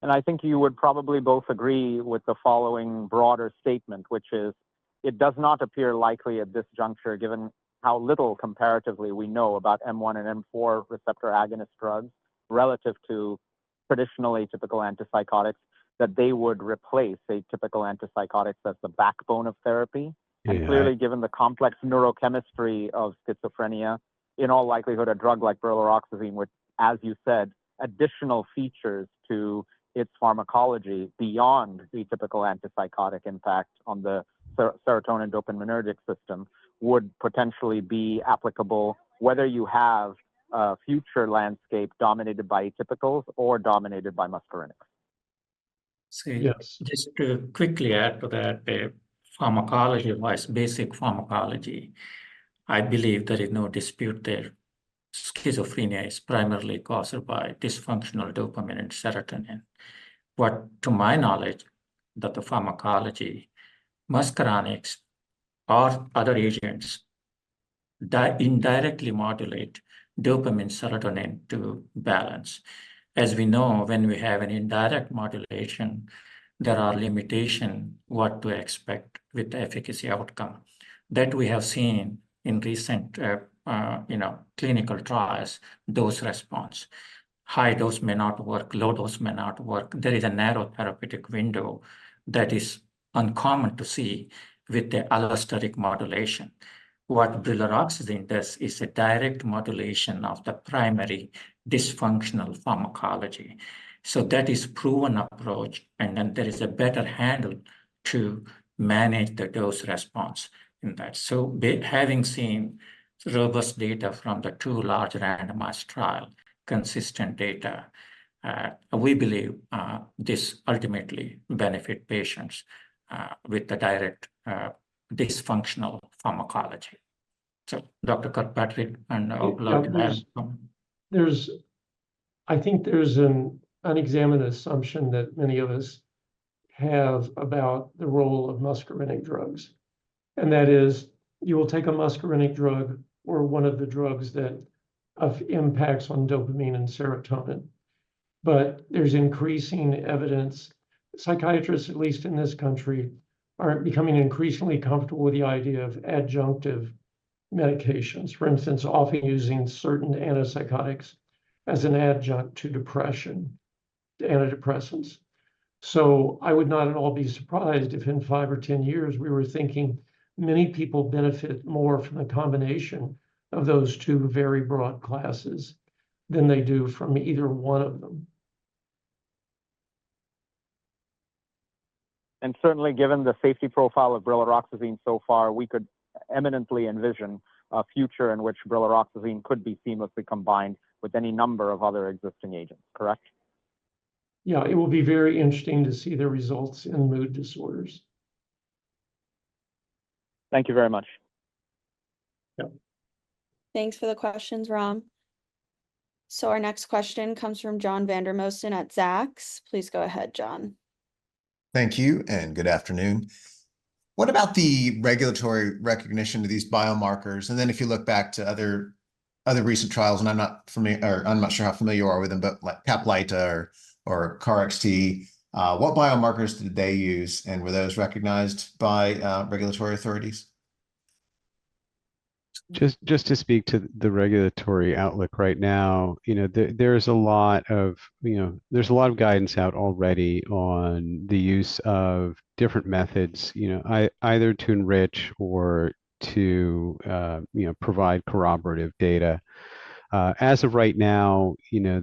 I think you would probably both agree with the following broader statement, which is: It does not appear likely at this juncture, given how little comparatively we know about M1 and M4 receptor agonist drugs relative to traditionally typical antipsychotics, that they would replace a typical antipsychotic that's the backbone of therapy. Yeah. Clearly, given the complex neurochemistry of schizophrenia, in all likelihood, a drug like brilaroxazine, which, as you said, additional features to its pharmacology beyond the typical antipsychotic impact on the serotonin dopaminergic system, would potentially be applicable whether you have a future landscape dominated by atypicals or dominated by muscarinics. So yes, just to quickly add to that, the pharmacology-wise, basic pharmacology, I believe there is no dispute there. Schizophrenia is primarily caused by dysfunctional dopamine and serotonin. But to my knowledge, that the pharmacology, muscarinics are other agents that indirectly modulate dopamine, serotonin to balance. As we know, when we have an indirect modulation, there are limitation what to expect with the efficacy outcome. That we have seen in recent, you know, clinical trials, dose response. High dose may not work, low dose may not work. There is a narrow therapeutic window that is uncommon to see with the allosteric modulation. What brilaroxazine does is a direct modulation of the primary dysfunctional pharmacology. So that is proven approach, and then there is a better handle to manage the dose response in that. So, having seen robust data from the two large randomized trial, consistent data, we believe this ultimately benefit patients with the direct dysfunctional pharmacology. So Dr. Kirkpatrick and Opler- I think there's an unexamined assumption that many of us have about the role of muscarinic drugs, and that is you will take a muscarinic drug or one of the drugs that impacts on dopamine and serotonin, but there's increasing evidence. Psychiatrists, at least in this country, are becoming increasingly comfortable with the idea of adjunctive medications. For instance, often using certain antipsychotics as an adjunct to depression, to antidepressants. So I would not at all be surprised if in five or ten years we were thinking many people benefit more from a combination of those two very broad classes than they do from either one of them.... and certainly, given the safety profile of brilaroxazine so far, we could eminently envision a future in which brilaroxazine could be seamlessly combined with any number of other existing agents, correct? Yeah, it will be very interesting to see the results in mood disorders. Thank you very much. Yeah. Thanks for the questions, Ram. So our next question comes from John Vandermosten at Zacks. Please go ahead, John. Thank you, and good afternoon. What about the regulatory recognition of these biomarkers? And then if you look back to other recent trials, and I'm not familiar or I'm not sure how familiar you are with them, but like Caplyta or KarXT, what biomarkers did they use, and were those recognized by regulatory authorities? Just to speak to the regulatory outlook right now, you know, there, there's a lot of, you know. There's a lot of guidance out already on the use of different methods, you know, either to enrich or to, you know, provide corroborative data. As of right now, you know,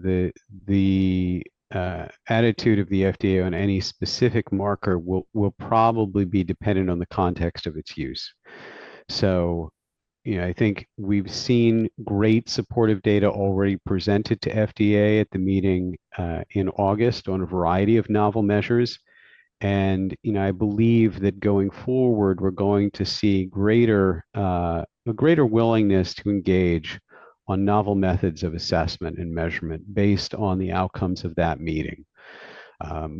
the attitude of the FDA on any specific marker will probably be dependent on the context of its use. So, you know, I think we've seen great supportive data already presented to FDA at the meeting in August on a variety of novel measures. And, you know, I believe that going forward, we're going to see greater, a greater willingness to engage on novel methods of assessment and measurement based on the outcomes of that meeting.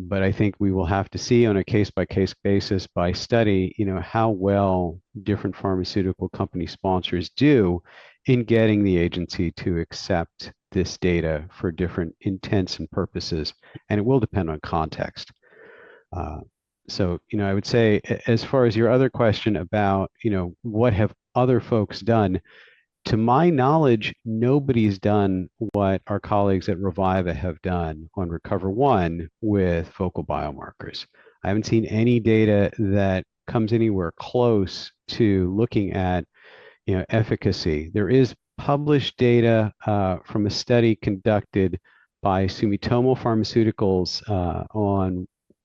But I think we will have to see on a case-by-case basis by study, you know, how well different pharmaceutical company sponsors do in getting the agency to accept this data for different intents and purposes, and it will depend on context. So, you know, I would say as far as your other question about, you know, what have other folks done, to my knowledge, nobody's done what our colleagues at Reviva have done on RECOVER-1 with vocal biomarkers. I haven't seen any data that comes anywhere close to looking at, you know, efficacy. There is published data from a study conducted by Sumitomo Pharmaceuticals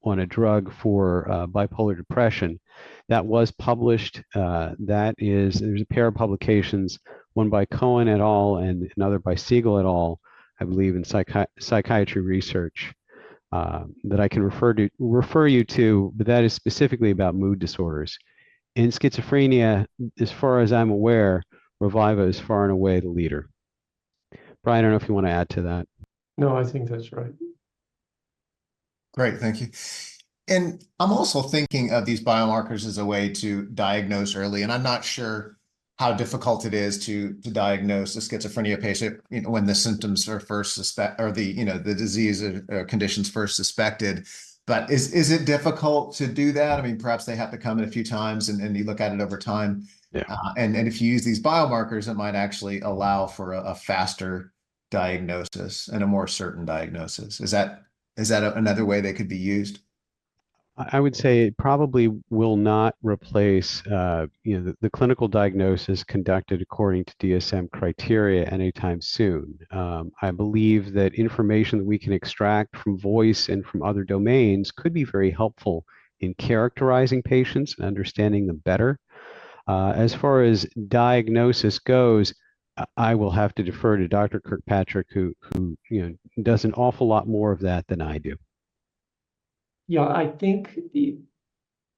on a drug for bipolar depression that was published. That is... There's a pair of publications, one by Cohen et al., and another by Segal et al., I believe, in Psychiatry Research, that I can refer you to, but that is specifically about mood disorders. In schizophrenia, as far as I'm aware, Reviva is far and away the leader. Brian, I don't know if you want to add to that. No, I think that's right. Great, thank you. And I'm also thinking of these biomarkers as a way to diagnose early, and I'm not sure how difficult it is to diagnose a schizophrenia patient, you know, when the symptoms are first suspected or the, you know, the disease or condition's first suspected. But is it difficult to do that? I mean, perhaps they have to come in a few times, and you look at it over time. Yeah. And if you use these biomarkers, it might actually allow for a faster diagnosis and a more certain diagnosis. Is that another way they could be used? I would say it probably will not replace, you know, the clinical diagnosis conducted according to DSM criteria anytime soon. I believe that information that we can extract from voice and from other domains could be very helpful in characterizing patients and understanding them better. As far as diagnosis goes, I will have to defer to Dr. Kirkpatrick, who, you know, does an awful lot more of that than I do. Yeah, I think.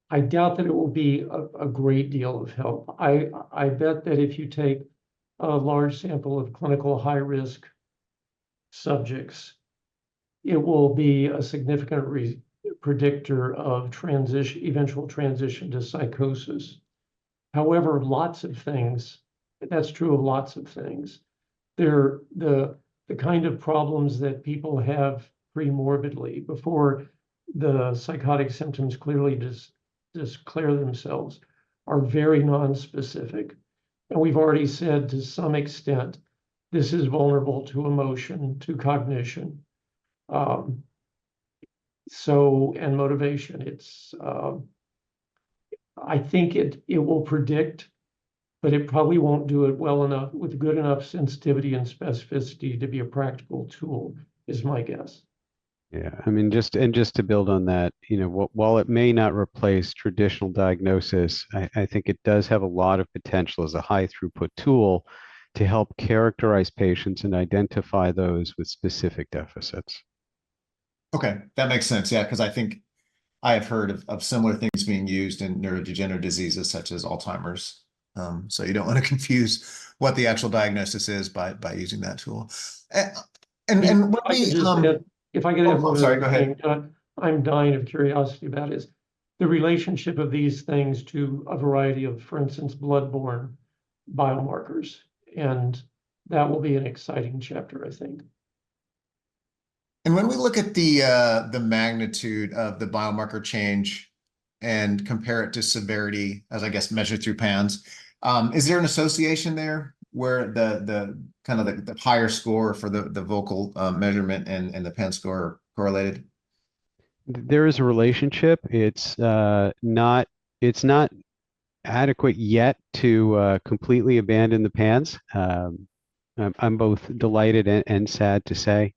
I doubt that it will be a great deal of help. I bet that if you take a large sample of clinical high-risk subjects, it will be a significant predictor of transition, eventual transition to psychosis. However, lots of things. That's true of lots of things. They're the kind of problems that people have premorbidly before the psychotic symptoms clearly declare themselves, are very non-specific. And we've already said, to some extent, this is vulnerable to emotion, to cognition, so, and motivation. It's. I think it will predict, but it probably won't do it well enough, with good enough sensitivity and specificity to be a practical tool, is my guess. Yeah. I mean, and just to build on that, you know, while it may not replace traditional diagnosis, I think it does have a lot of potential as a high throughput tool to help characterize patients and identify those with specific deficits. Okay, that makes sense. Yeah, because I think I have heard of similar things being used in neurodegenerative diseases such as Alzheimer's, so you don't want to confuse what the actual diagnosis is by using that tool, and what we- I just... If I could add- Oh, I'm sorry. Go ahead. I'm dying of curiosity about the relationship of these things to a variety of, for instance, blood-borne biomarkers, and that will be an exciting chapter, I think. And when we look at the magnitude of the biomarker change and compare it to severity, as I guess measured through PANSS, is there an association there, where the higher score for the vocal measurement and the PANSS score are correlated? There is a relationship. It's not adequate yet to completely abandon the PANSS. I'm both delighted and sad to say.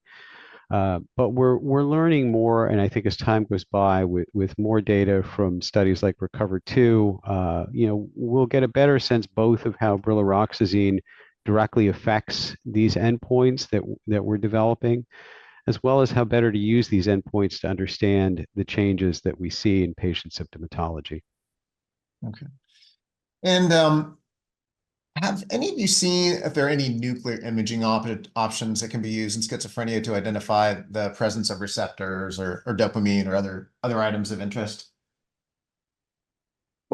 But we're learning more, and I think as time goes by with more data from studies like RECOVER-2, you know, we'll get a better sense both of how brilaroxazine directly affects these endpoints that we're developing, as well as how better to use these endpoints to understand the changes that we see in patient symptomatology. Okay. Have any of you seen if there are any nuclear imaging options that can be used in schizophrenia to identify the presence of receptors or dopamine or other items of interest?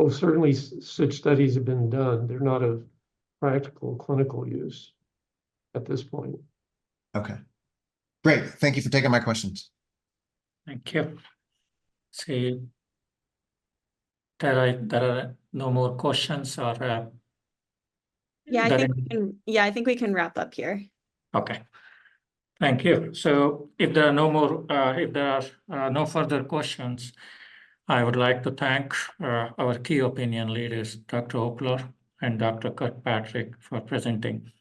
Certainly such studies have been done. They're not of practical clinical use at this point. Okay. Great. Thank you for taking my questions. Thank you. See, there are no more questions or. Yeah, I think we can wrap up here. Okay. Thank you. If there are no further questions, I would like to thank our key opinion leaders, Dr. Opler and Dr. Kirkpatrick, for presenting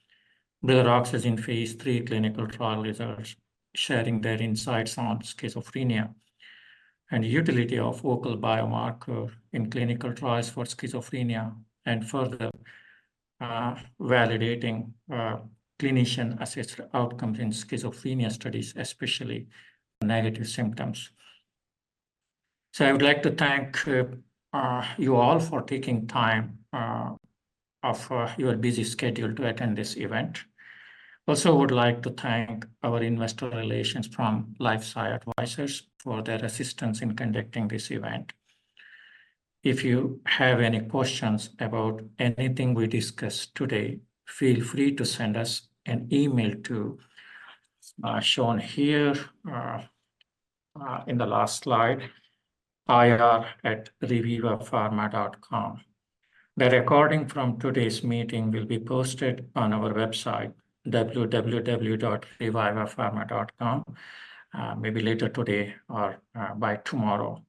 brilaroxazine phase III clinical trial results, sharing their insights on schizophrenia and utility of vocal biomarker in clinical trials for schizophrenia, and further validating clinician-assessed outcomes in schizophrenia studies, especially negative symptoms. So I would like to thank you all for taking time off your busy schedule to attend this event. Also, I would like to thank our investor relations from LifeSci Advisors for their assistance in conducting this event. If you have any questions about anything we discussed today, feel free to send us an email to shown here in the last slide, ir@revivapharma.com. The recording from today's meeting will be posted on our website, www.revivapharma.com, maybe later today or by tomorrow.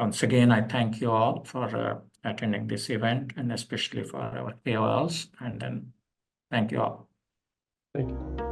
Once again, I thank you all for attending this event and especially for our KOLs, and then thank you all. Thank you.